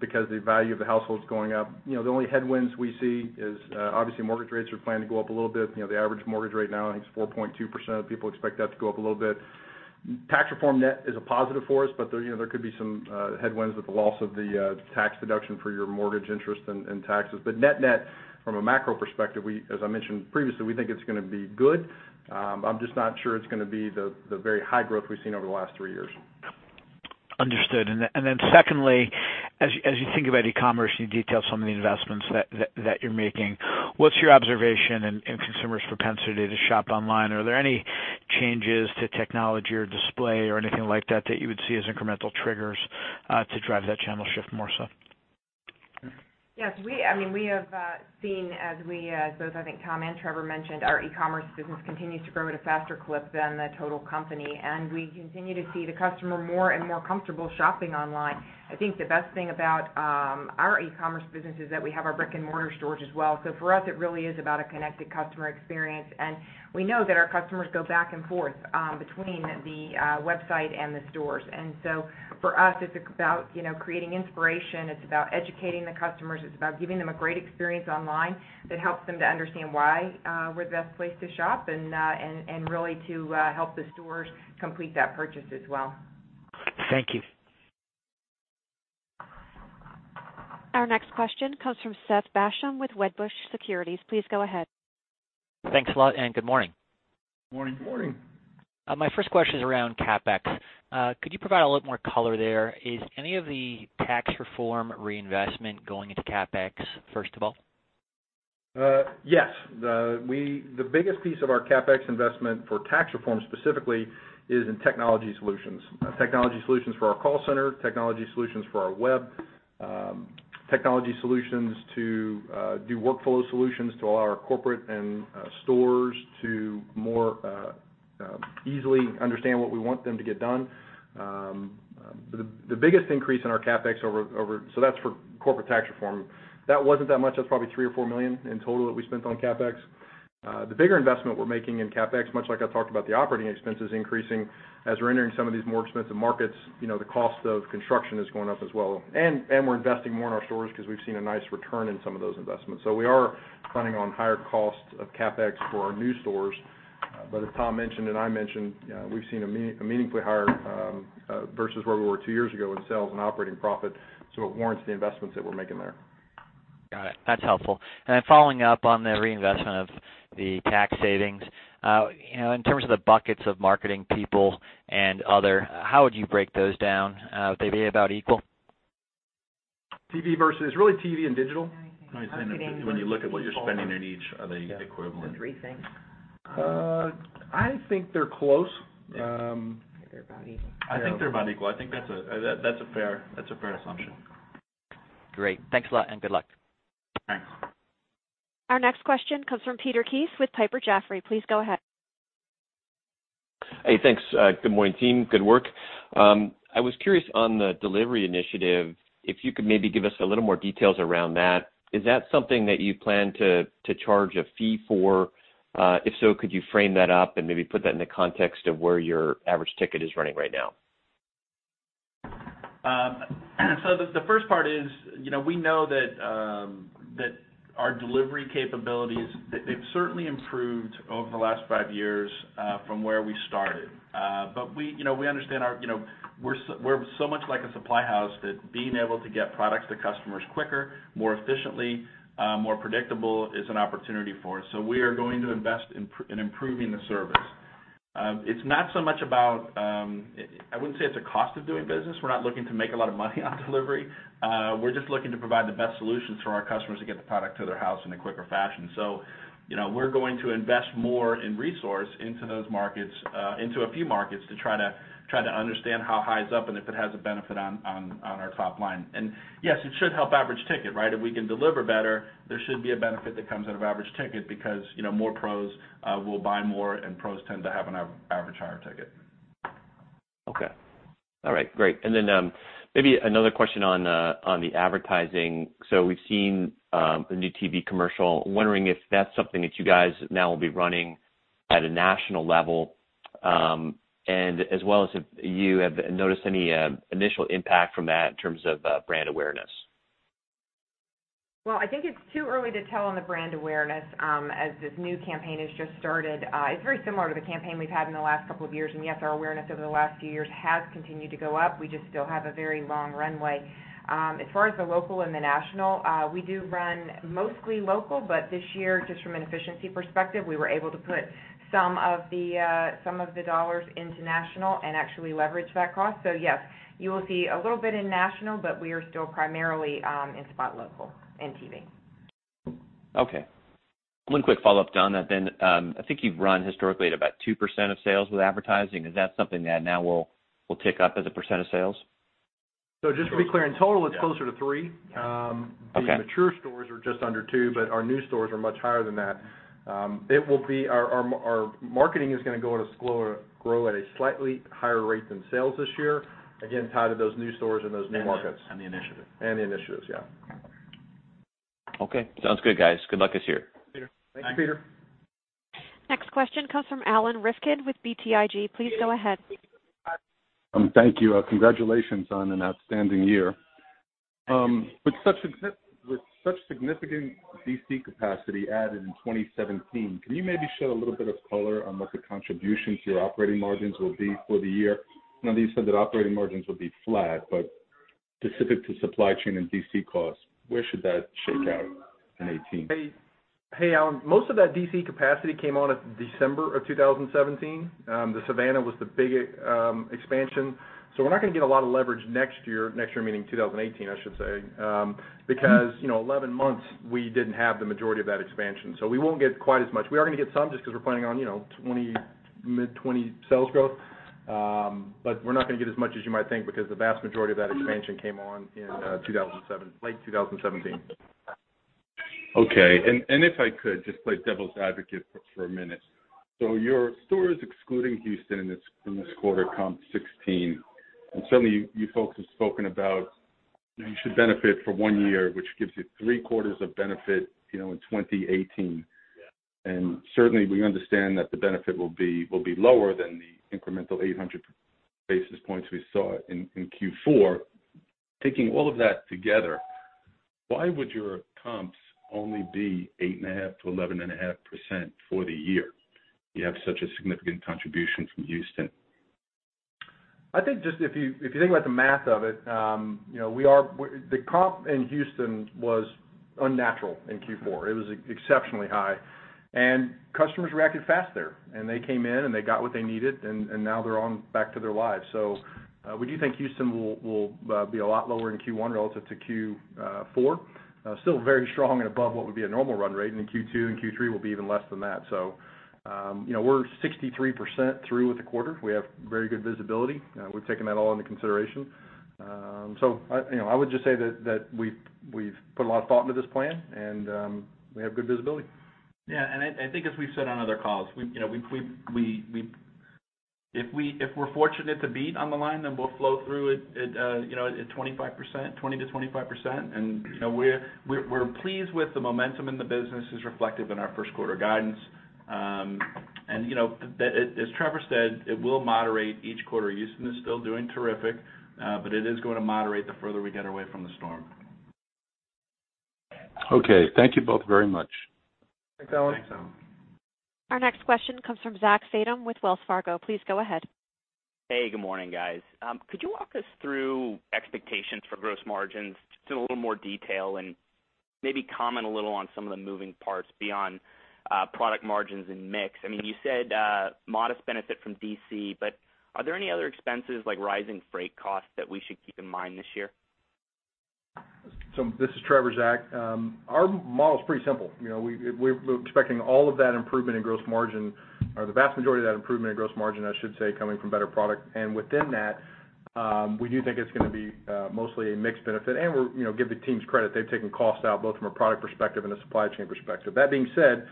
because the value of the households going up. The only headwinds we see is, obviously mortgage rates are planned to go up a little bit. The average mortgage rate now, I think, is 4.2%. People expect that to go up a little bit. Tax reform net is a positive for us, but there could be some headwinds with the loss of the tax deduction for your mortgage interest and taxes. Net-net, from a macro perspective, as I mentioned previously, we think it's going to be good. I'm just not sure it's going to be the very high growth we've seen over the last three years. Understood. Then secondly, as you think about e-commerce, you detail some of the investments that you're making. What's your observation in consumers' propensity to shop online? Are there any changes to technology or display or anything like that which you would see as incremental triggers to drive that channel shift more so? Yes. We have seen, as both I think Tom and Trevor mentioned, our e-commerce business continues to grow at a faster clip than the total company, and we continue to see the customer more and more comfortable shopping online. I think the best thing about our e-commerce business is that we have our brick-and-mortar stores as well. For us, it really is about a connected customer experience, and we know that our customers go back and forth between the website and the stores. For us, it's about creating inspiration. It's about educating the customers. It's about giving them a great experience online that helps them to understand why we're the best place to shop and really to help the stores complete that purchase as well. Thank you. Our next question comes from Seth Basham with Wedbush Securities. Please go ahead. Thanks a lot, good morning. Morning. Morning. My first question is around CapEx. Could you provide a little more color there? Is any of the tax reform reinvestment going into CapEx, first of all? Yes. The biggest piece of our CapEx investment for tax reform specifically is in technology solutions. Technology solutions for our call center, technology solutions for our web, technology solutions to do workflow solutions to allow our corporate and stores to more easily understand what we want them to get done. That's for corporate tax reform. That wasn't that much. That's probably $3 or $4 million in total that we spent on CapEx. The bigger investment we're making in CapEx, much like I talked about the operating expenses increasing as we're entering some of these more expensive markets, the cost of construction is going up as well. We're investing more in our stores because we've seen a nice return in some of those investments. We are planning on higher costs of CapEx for our new stores. As Tom mentioned, and I mentioned, we've seen a meaningfully higher, versus where we were two years ago, in sales and operating profit. It warrants the investments that we're making there. Got it. That's helpful. Following up on the reinvestment of the tax savings. In terms of the buckets of marketing people and other, how would you break those down? Would they be about equal? It's really TV and digital. Marketing and digital. When you look at what you're spending in each, are they equivalent? It's a three thing. I think they're close. I think they're about equal. I think they're about equal. I think that's a fair assumption. Great. Thanks a lot, and good luck. Thanks. Our next question comes from Peter Keith with Piper Jaffray. Please go ahead. Hey, thanks. Good morning, team. Good work. I was curious on the delivery initiative, if you could maybe give us a little more details around that. Is that something that you plan to charge a fee for? If so, could you frame that up and maybe put that into context of where your average ticket is running right now? The first part is, we know that our delivery capabilities, they've certainly improved over the last five years from where we started. We're so much like a supply house that being able to get products to customers quicker, more efficiently, more predictable is an opportunity for us. We are going to invest in improving the service. I wouldn't say it's a cost of doing business. We're not looking to make a lot of money on delivery. We're just looking to provide the best solutions for our customers to get the product to their house in a quicker fashion. We're going to invest more in resource into a few markets to try to understand how high it is up and if it has a benefit on our top line. Yes, it should help average ticket, right? If we can deliver better, there should be a benefit that comes out of average ticket because more pros will buy more, and pros tend to have an average higher ticket. Okay. All right, great. Then maybe another question on the advertising. We've seen the new TV commercial. Wondering if that's something that you guys now will be running at a national level, and as well as if you have noticed any initial impact from that in terms of brand awareness. Well, I think it's too early to tell on the brand awareness as this new campaign has just started. It's very similar to the campaign we've had in the last couple of years. Yes, our awareness over the last few years has continued to go up. We just still have a very long runway. As far as the local and the national, we do run mostly local. This year, just from an efficiency perspective, we were able to put some of the dollars into national and actually leverage that cost. Yes, you will see a little bit in national. We are still primarily in spot local and TV. Okay. One quick follow-up to on that then. I think you've run historically at about 2% of sales with advertising. Is that something that now will tick up as a % of sales? Just to be clear, in total, it's closer to three. Okay. The mature stores are just under two. Our new stores are much higher than that. Our marketing is going to grow at a slightly higher rate than sales this year. Again, tied to those new stores and those new markets. The initiatives. The initiatives, yeah. Okay. Sounds good, guys. Good luck this year. Peter. Thanks, Peter. Next question comes from Alan Rifkin with BTIG. Please go ahead. Thank you. Congratulations on an outstanding year. With such significant DC capacity added in 2017, can you maybe shed a little bit of color on what the contribution to your operating margins will be for the year? I know that you said that operating margins will be flat, but specific to supply chain and DC costs, where should that shake out in 2018? Hey, Alan. Most of that DC capacity came on at December of 2017. The Savannah was the big expansion. We're not going to get a lot of leverage next year, next year meaning 2018, I should say because 11 months, we didn't have the majority of that expansion. We won't get quite as much. We are going to get some just because we're planning on mid 20 sales growth. We're not going to get as much as you might think because the vast majority of that expansion came on in late 2017. Okay. If I could just play devil's advocate for a minute. Your stores excluding Houston in this quarter comp 16, and certainly you folks have spoken about, you should benefit for one year, which gives you three quarters of benefit in 2018. Yeah. Certainly, we understand that the benefit will be lower than the incremental 800 basis points we saw in Q4. Taking all of that together, why would your comps only be 8.5%-11.5% for the year, if you have such a significant contribution from Houston? I think if you think about the math of it, the comp in Houston was unnatural in Q4. It was exceptionally high. Customers reacted fast there, and they came in, and they got what they needed, and now they're on back to their lives. We do think Houston will be a lot lower in Q1 relative to Q4. Still very strong and above what would be a normal run rate. Then Q2 and Q3 will be even less than that. We're 63% through with the quarter. We have very good visibility. We've taken that all into consideration. I would just say that we've put a lot of thought into this plan, and we have good visibility. Yeah. I think as we've said on other calls, if we're fortunate to beat on the line, then we'll flow through it at 20%-25%. We're pleased with the momentum in the business as reflective in our first quarter guidance. As Trevor said, it will moderate each quarter. Houston is still doing terrific. It is going to moderate the further we get away from the storm. Okay. Thank you both very much. Thanks, Alan. Thanks, Alan. Our next question comes from Zach Fadem with Wells Fargo. Please go ahead. Hey, good morning, guys. Could you walk us through expectations for gross margins just in a little more detail and maybe comment a little on some of the moving parts beyond product margins and mix. You said modest benefit from DC, but are there any other expenses like rising freight costs that we should keep in mind this year? This is Trevor, Zach. Our model is pretty simple. We're expecting all of that improvement in gross margin, or the vast majority of that improvement in gross margin, I should say, coming from better product. Within that, we do think it's going to be mostly a mix benefit and we give the teams credit. They've taken costs out both from a product perspective and a supply chain perspective. That being said,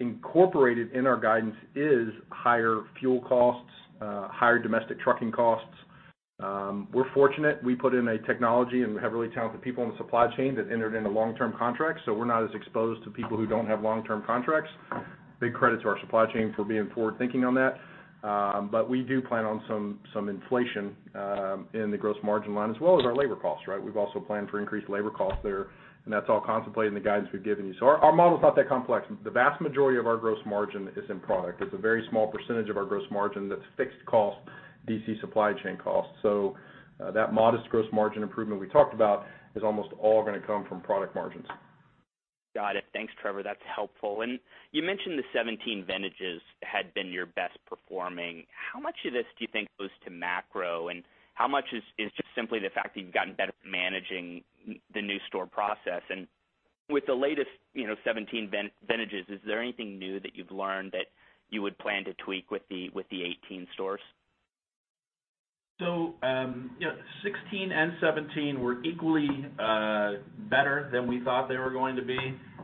incorporated in our guidance is higher fuel costs, higher domestic trucking costs. We're fortunate we put in a technology and have really talented people in the supply chain that entered into long-term contracts. We're not as exposed to people who don't have long-term contracts. Big credit to our supply chain for being forward-thinking on that. We do plan on some inflation in the gross margin line as well as our labor costs. We've also planned for increased labor costs there, and that's all contemplated in the guidance we've given you. Our model is not that complex. The vast majority of our gross margin is in product. It's a very small percentage of our gross margin that's fixed cost, DC supply chain costs. That modest gross margin improvement we talked about is almost all going to come from product margins. Got it. Thanks, Trevor. That's helpful. You mentioned the 2017 vintages had been your best performing. How much of this do you think goes to macro and how much is just simply the fact that you've gotten better at managing the new store process? With the latest 2017 vintages, is there anything new that you've learned that you would plan to tweak with the 2018 stores? 2016 and 2017 were equally better than we thought they were going to be,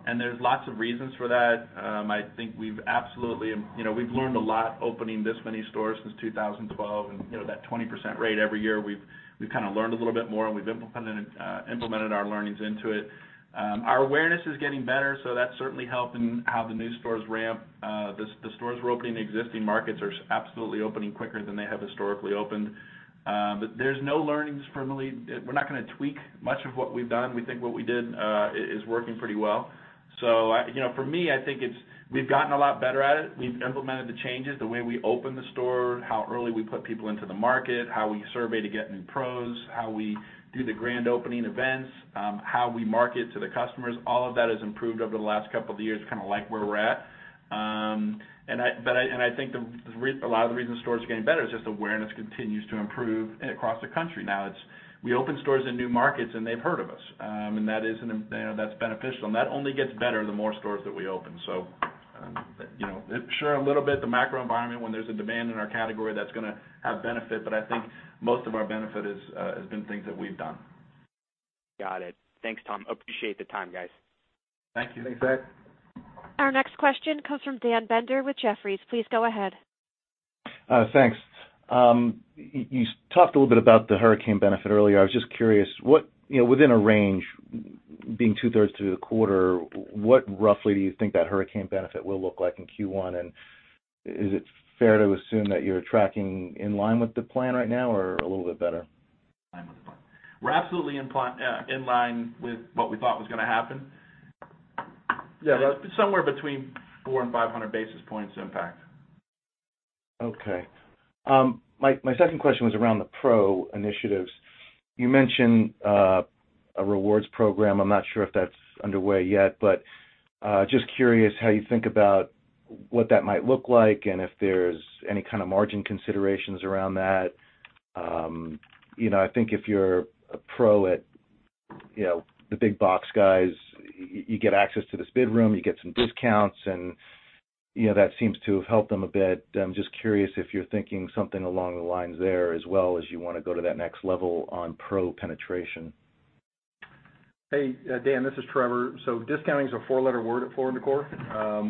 and there's lots of reasons for that. I think we've learned a lot opening this many stores since 2012 and that 20% rate every year. We've learned a little bit more and we've implemented our learnings into it. Our awareness is getting better, so that's certainly helping how the new stores ramp. The stores we're opening in existing markets are absolutely opening quicker than they have historically opened. There's no learnings from the lead. We're not going to tweak much of what we've done. We think what we did is working pretty well. For me, I think we've gotten a lot better at it. We've implemented the changes, the way we open the store, how early we put people into the market, how we survey to get new pros, how we do the grand opening events, how we market to the customers. All of that has improved over the last couple of years, like where we're at. I think a lot of the reason stores are getting better is just awareness continues to improve across the country now. We open stores in new markets, and they've heard of us. That's beneficial and that only gets better the more stores that we open. Sure, a little bit the macro environment when there's a demand in our category, that's going to have benefit, but I think most of our benefit has been things that we've done. Got it. Thanks, Tom. Appreciate the time, guys. Thank you. Thanks, Zach. Our next question comes from Daniel Binder with Jefferies. Please go ahead. Thanks. You talked a little bit about the hurricane benefit earlier. I was just curious, within a range being two-thirds through the quarter, what roughly do you think that hurricane benefit will look like in Q1? Is it fair to assume that you're tracking in line with the plan right now, or a little bit better? We're absolutely in line with what we thought was going to happen. Yeah. Somewhere between 400 and 500 basis points impact. My second question was around the pro initiatives. You mentioned a rewards program. I'm not sure if that's underway yet, but just curious how you think about what that might look like and if there's any kind of margin considerations around that. I think if you're a pro at the big box guys, you get access to this bid room, you get some discounts, and that seems to have helped them a bit. I'm just curious if you're thinking something along the lines there as well as you want to go to that next level on pro penetration. Hey, Dan, this is Trevor. Discounting is a four-letter word at Floor & Decor.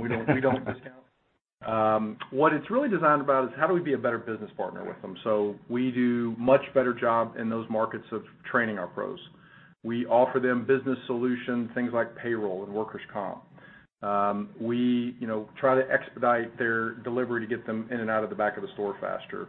We don't discount. What it's really designed about is how do we be a better business partner with them. We do much better job in those markets of training our pros. We offer them business solutions, things like payroll and workers' comp. We try to expedite their delivery to get them in and out of the back of the store faster.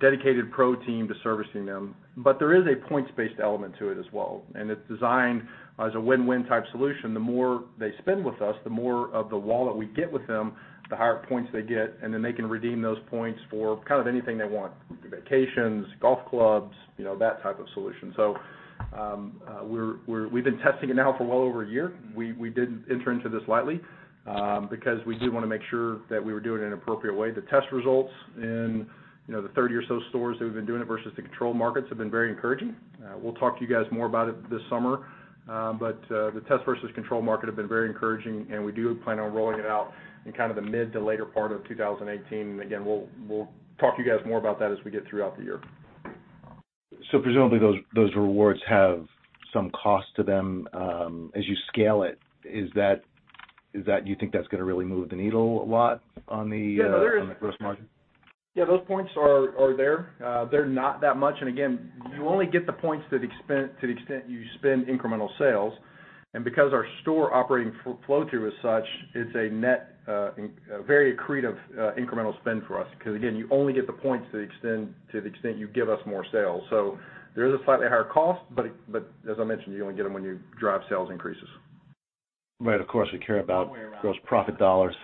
Dedicated pro team to servicing them. There is a points-based element to it as well, and it's designed as a win-win type solution. The more they spend with us, the more of the wallet we get with them, the higher points they get, and then they can redeem those points for kind of anything they want, vacations, golf clubs, that type of solution. We've been testing it now for well over a year. We didn't enter into this lightly, because we do want to make sure that we were doing it in an appropriate way. The test results in the 30 or so stores that we've been doing it versus the control markets have been very encouraging. We'll talk to you guys more about it this summer. The test versus control market have been very encouraging, and we do plan on rolling it out in kind of the mid to later part of 2018. Again, we'll talk to you guys more about that as we get throughout the year. Presumably, those rewards have some cost to them. As you scale it, do you think that's going to really move the needle a lot on the. Yeah, there is. Gross margin? Yeah, those points are there. They're not that much, again, you only get the points to the extent you spend incremental sales. Because our store operating flow through is such, it's a net very accretive incremental spend for us. Because again, you only get the points to the extent you give us more sales. There is a slightly higher cost, but as I mentioned, you only get them when you drive sales increases. Right. Of course, we care about. Somewhere around gross profit dollars.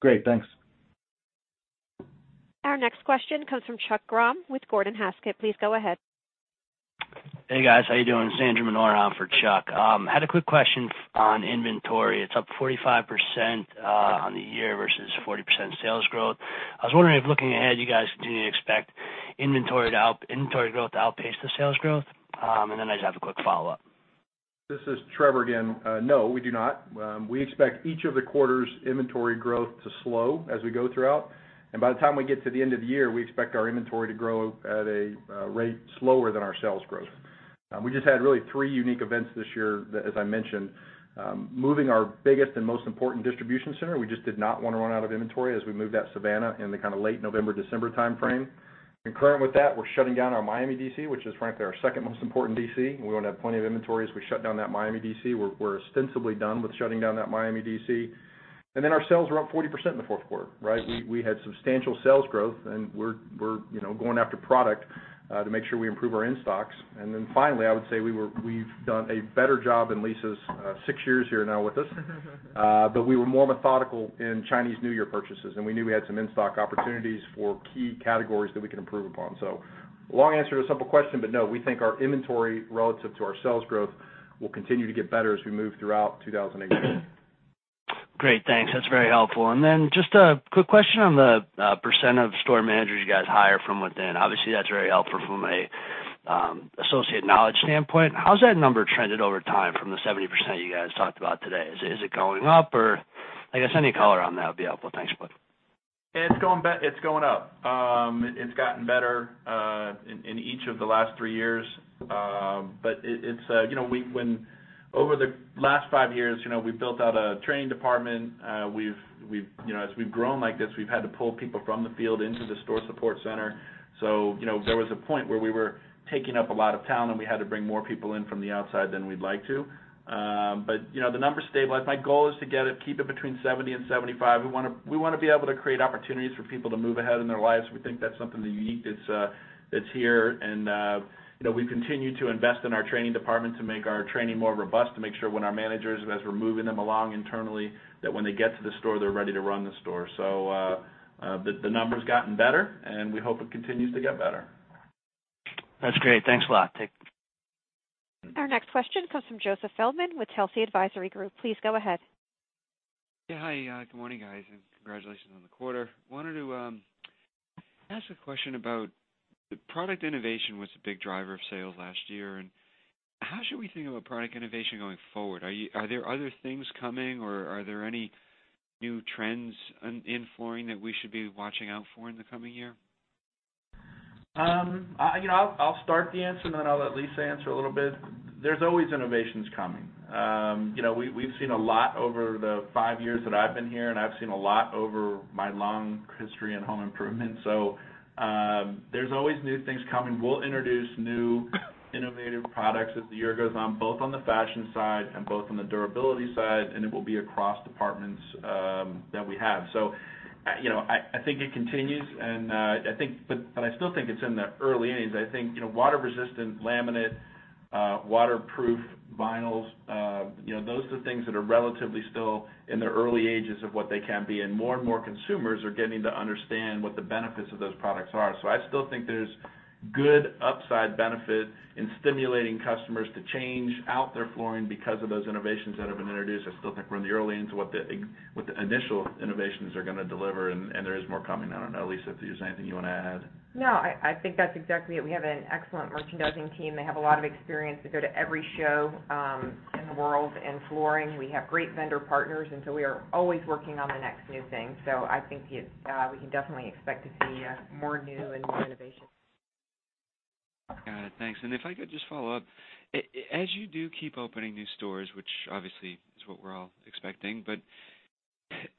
Great. Thanks. Our next question comes from Chuck Grom with Gordon Haskett. Please go ahead. Hey, guys. How you doing? It's Andrew Minora for Chuck. Had a quick question on inventory. It's up 45% on the year versus 40% sales growth. I was wondering if looking ahead, you guys continue to expect inventory growth to outpace the sales growth. I just have a quick follow-up. This is Trevor again. No, we do not. We expect each of the quarters' inventory growth to slow as we go throughout. By the time we get to the end of the year, we expect our inventory to grow at a rate slower than our sales growth. We just had really three unique events this year that, as I mentioned, moving our biggest and most important distribution center, we just did not want to run out of inventory as we moved out of Savannah in the kind of late November, December timeframe. Concurrent with that, we're shutting down our Miami DC, which is frankly our second most important DC, and we want to have plenty of inventory as we shut down that Miami DC. We're ostensibly done with shutting down that Miami DC. Then our sales were up 40% in the fourth quarter, right? We had substantial sales growth, and we're going after product to make sure we improve our in-stocks. Then finally, I would say we've done a better job in Lisa's six years here now with us. We were more methodical in Chinese New Year purchases, and we knew we had some in-stock opportunities for key categories that we could improve upon. Long answer to a simple question, no, we think our inventory relative to our sales growth will continue to get better as we move throughout 2018. Great. Thanks. That's very helpful. Then just a quick question on the % of store managers you guys hire from within. Obviously, that's very helpful from an associate knowledge standpoint. How's that number trended over time from the 70% you guys talked about today? Is it going up, or I guess any color on that would be helpful. Thanks a bunch. It's going up. It's gotten better, in each of the last three years. Over the last five years, we've built out a training department. As we've grown like this, we've had to pull people from the field into the store support center. There was a point where we were taking up a lot of talent, and we had to bring more people in from the outside than we'd like to. The number stabilized. My goal is to get it, keep it between 70 and 75. We want to be able to create opportunities for people to move ahead in their lives. We think that's something that's unique, that's here. We've continued to invest in our training department to make our training more robust, to make sure when our managers, as we're moving them along internally, that when they get to the store, they're ready to run the store. The number's gotten better, and we hope it continues to get better. That's great. Thanks a lot. Our next question comes from Joseph Feldman with Telsey Advisory Group. Please go ahead. Yeah. Hi, good morning, guys, and congratulations on the quarter. I wanted to ask a question about product innovation was a big driver of sales last year, and how should we think about product innovation going forward? Are there other things coming, or are there any new trends in flooring that we should be watching out for in the coming year? I'll start the answer, I'll let Lisa answer a little bit. There's always innovations coming. We've seen a lot over the five years that I've been here, and I've seen a lot over my long history in home improvement. There's always new things coming. We'll introduce new innovative products as the year goes on, both on the fashion side and both on the durability side, and it will be across departments that we have. I think it continues, but I still think it's in the early innings. I think water-resistant laminate, waterproof vinyls, those are the things that are relatively still in their early ages of what they can be, and more and more consumers are getting to understand what the benefits of those products are. I still think there's good upside benefit in stimulating customers to change out their flooring because of those innovations that have been introduced. I still think we're in the early innings of what the initial innovations are going to deliver, and there is more coming. I don't know, Lisa, if there's anything you want to add. No, I think that's exactly it. We have an excellent merchandising team. They have a lot of experience. They go to every show in the world in flooring. We have great vendor partners, we are always working on the next new thing. I think we can definitely expect to see more new and more innovations. Got it. Thanks. If I could just follow up, as you do keep opening new stores, which obviously is what we're all expecting,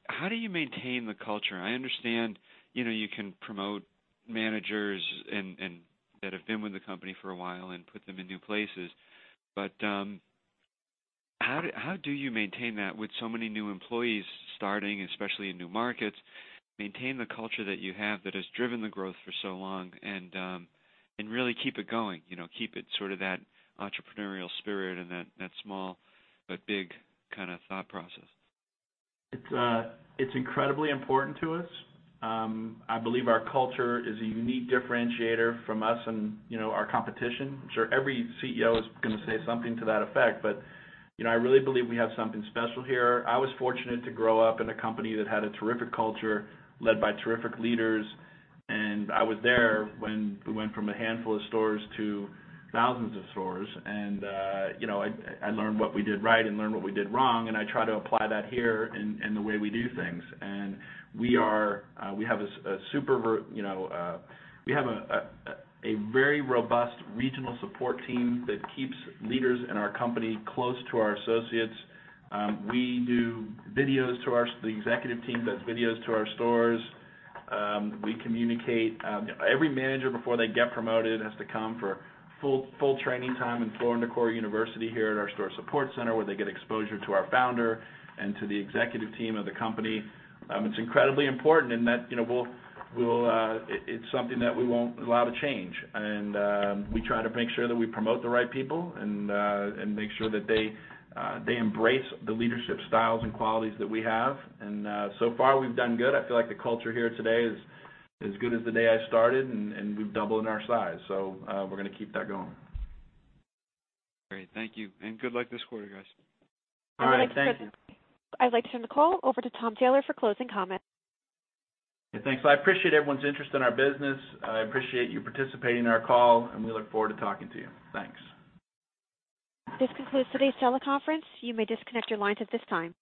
how do you maintain the culture? I understand, you can promote managers that have been with the company for a while and put them in new places. How do you maintain that with so many new employees starting, especially in new markets, maintain the culture that you have that has driven the growth for so long and really keep it going, keep it sort of that entrepreneurial spirit and that small, but big kind of thought process? It's incredibly important to us. I believe our culture is a unique differentiator from us and our competition. I'm sure every CEO is going to say something to that effect, but I really believe we have something special here. I was fortunate to grow up in a company that had a terrific culture led by terrific leaders, and I was there when we went from a handful of stores to thousands of stores. I learned what we did right and learned what we did wrong, and I try to apply that here in the way we do things. We have a very robust regional support team that keeps leaders in our company close to our associates. The executive team does videos to our stores. Every manager, before they get promoted, has to come for full training time in Floor & Decor University here at our store support center, where they get exposure to our founder and to the executive team of the company. It's incredibly important, and it's something that we won't allow to change. We try to make sure that we promote the right people and make sure that they embrace the leadership styles and qualities that we have. So far we've done good. I feel like the culture here today is as good as the day I started, and we've doubled in our size. We're going to keep that going. Great. Thank you. Good luck this quarter, guys. All right. Thank you. All right, Chris. I'd like to turn the call over to Tom Taylor for closing comments. Hey, thanks. I appreciate everyone's interest in our business. I appreciate you participating in our call, and we look forward to talking to you. Thanks. This concludes today's teleconference. You may disconnect your lines at this time.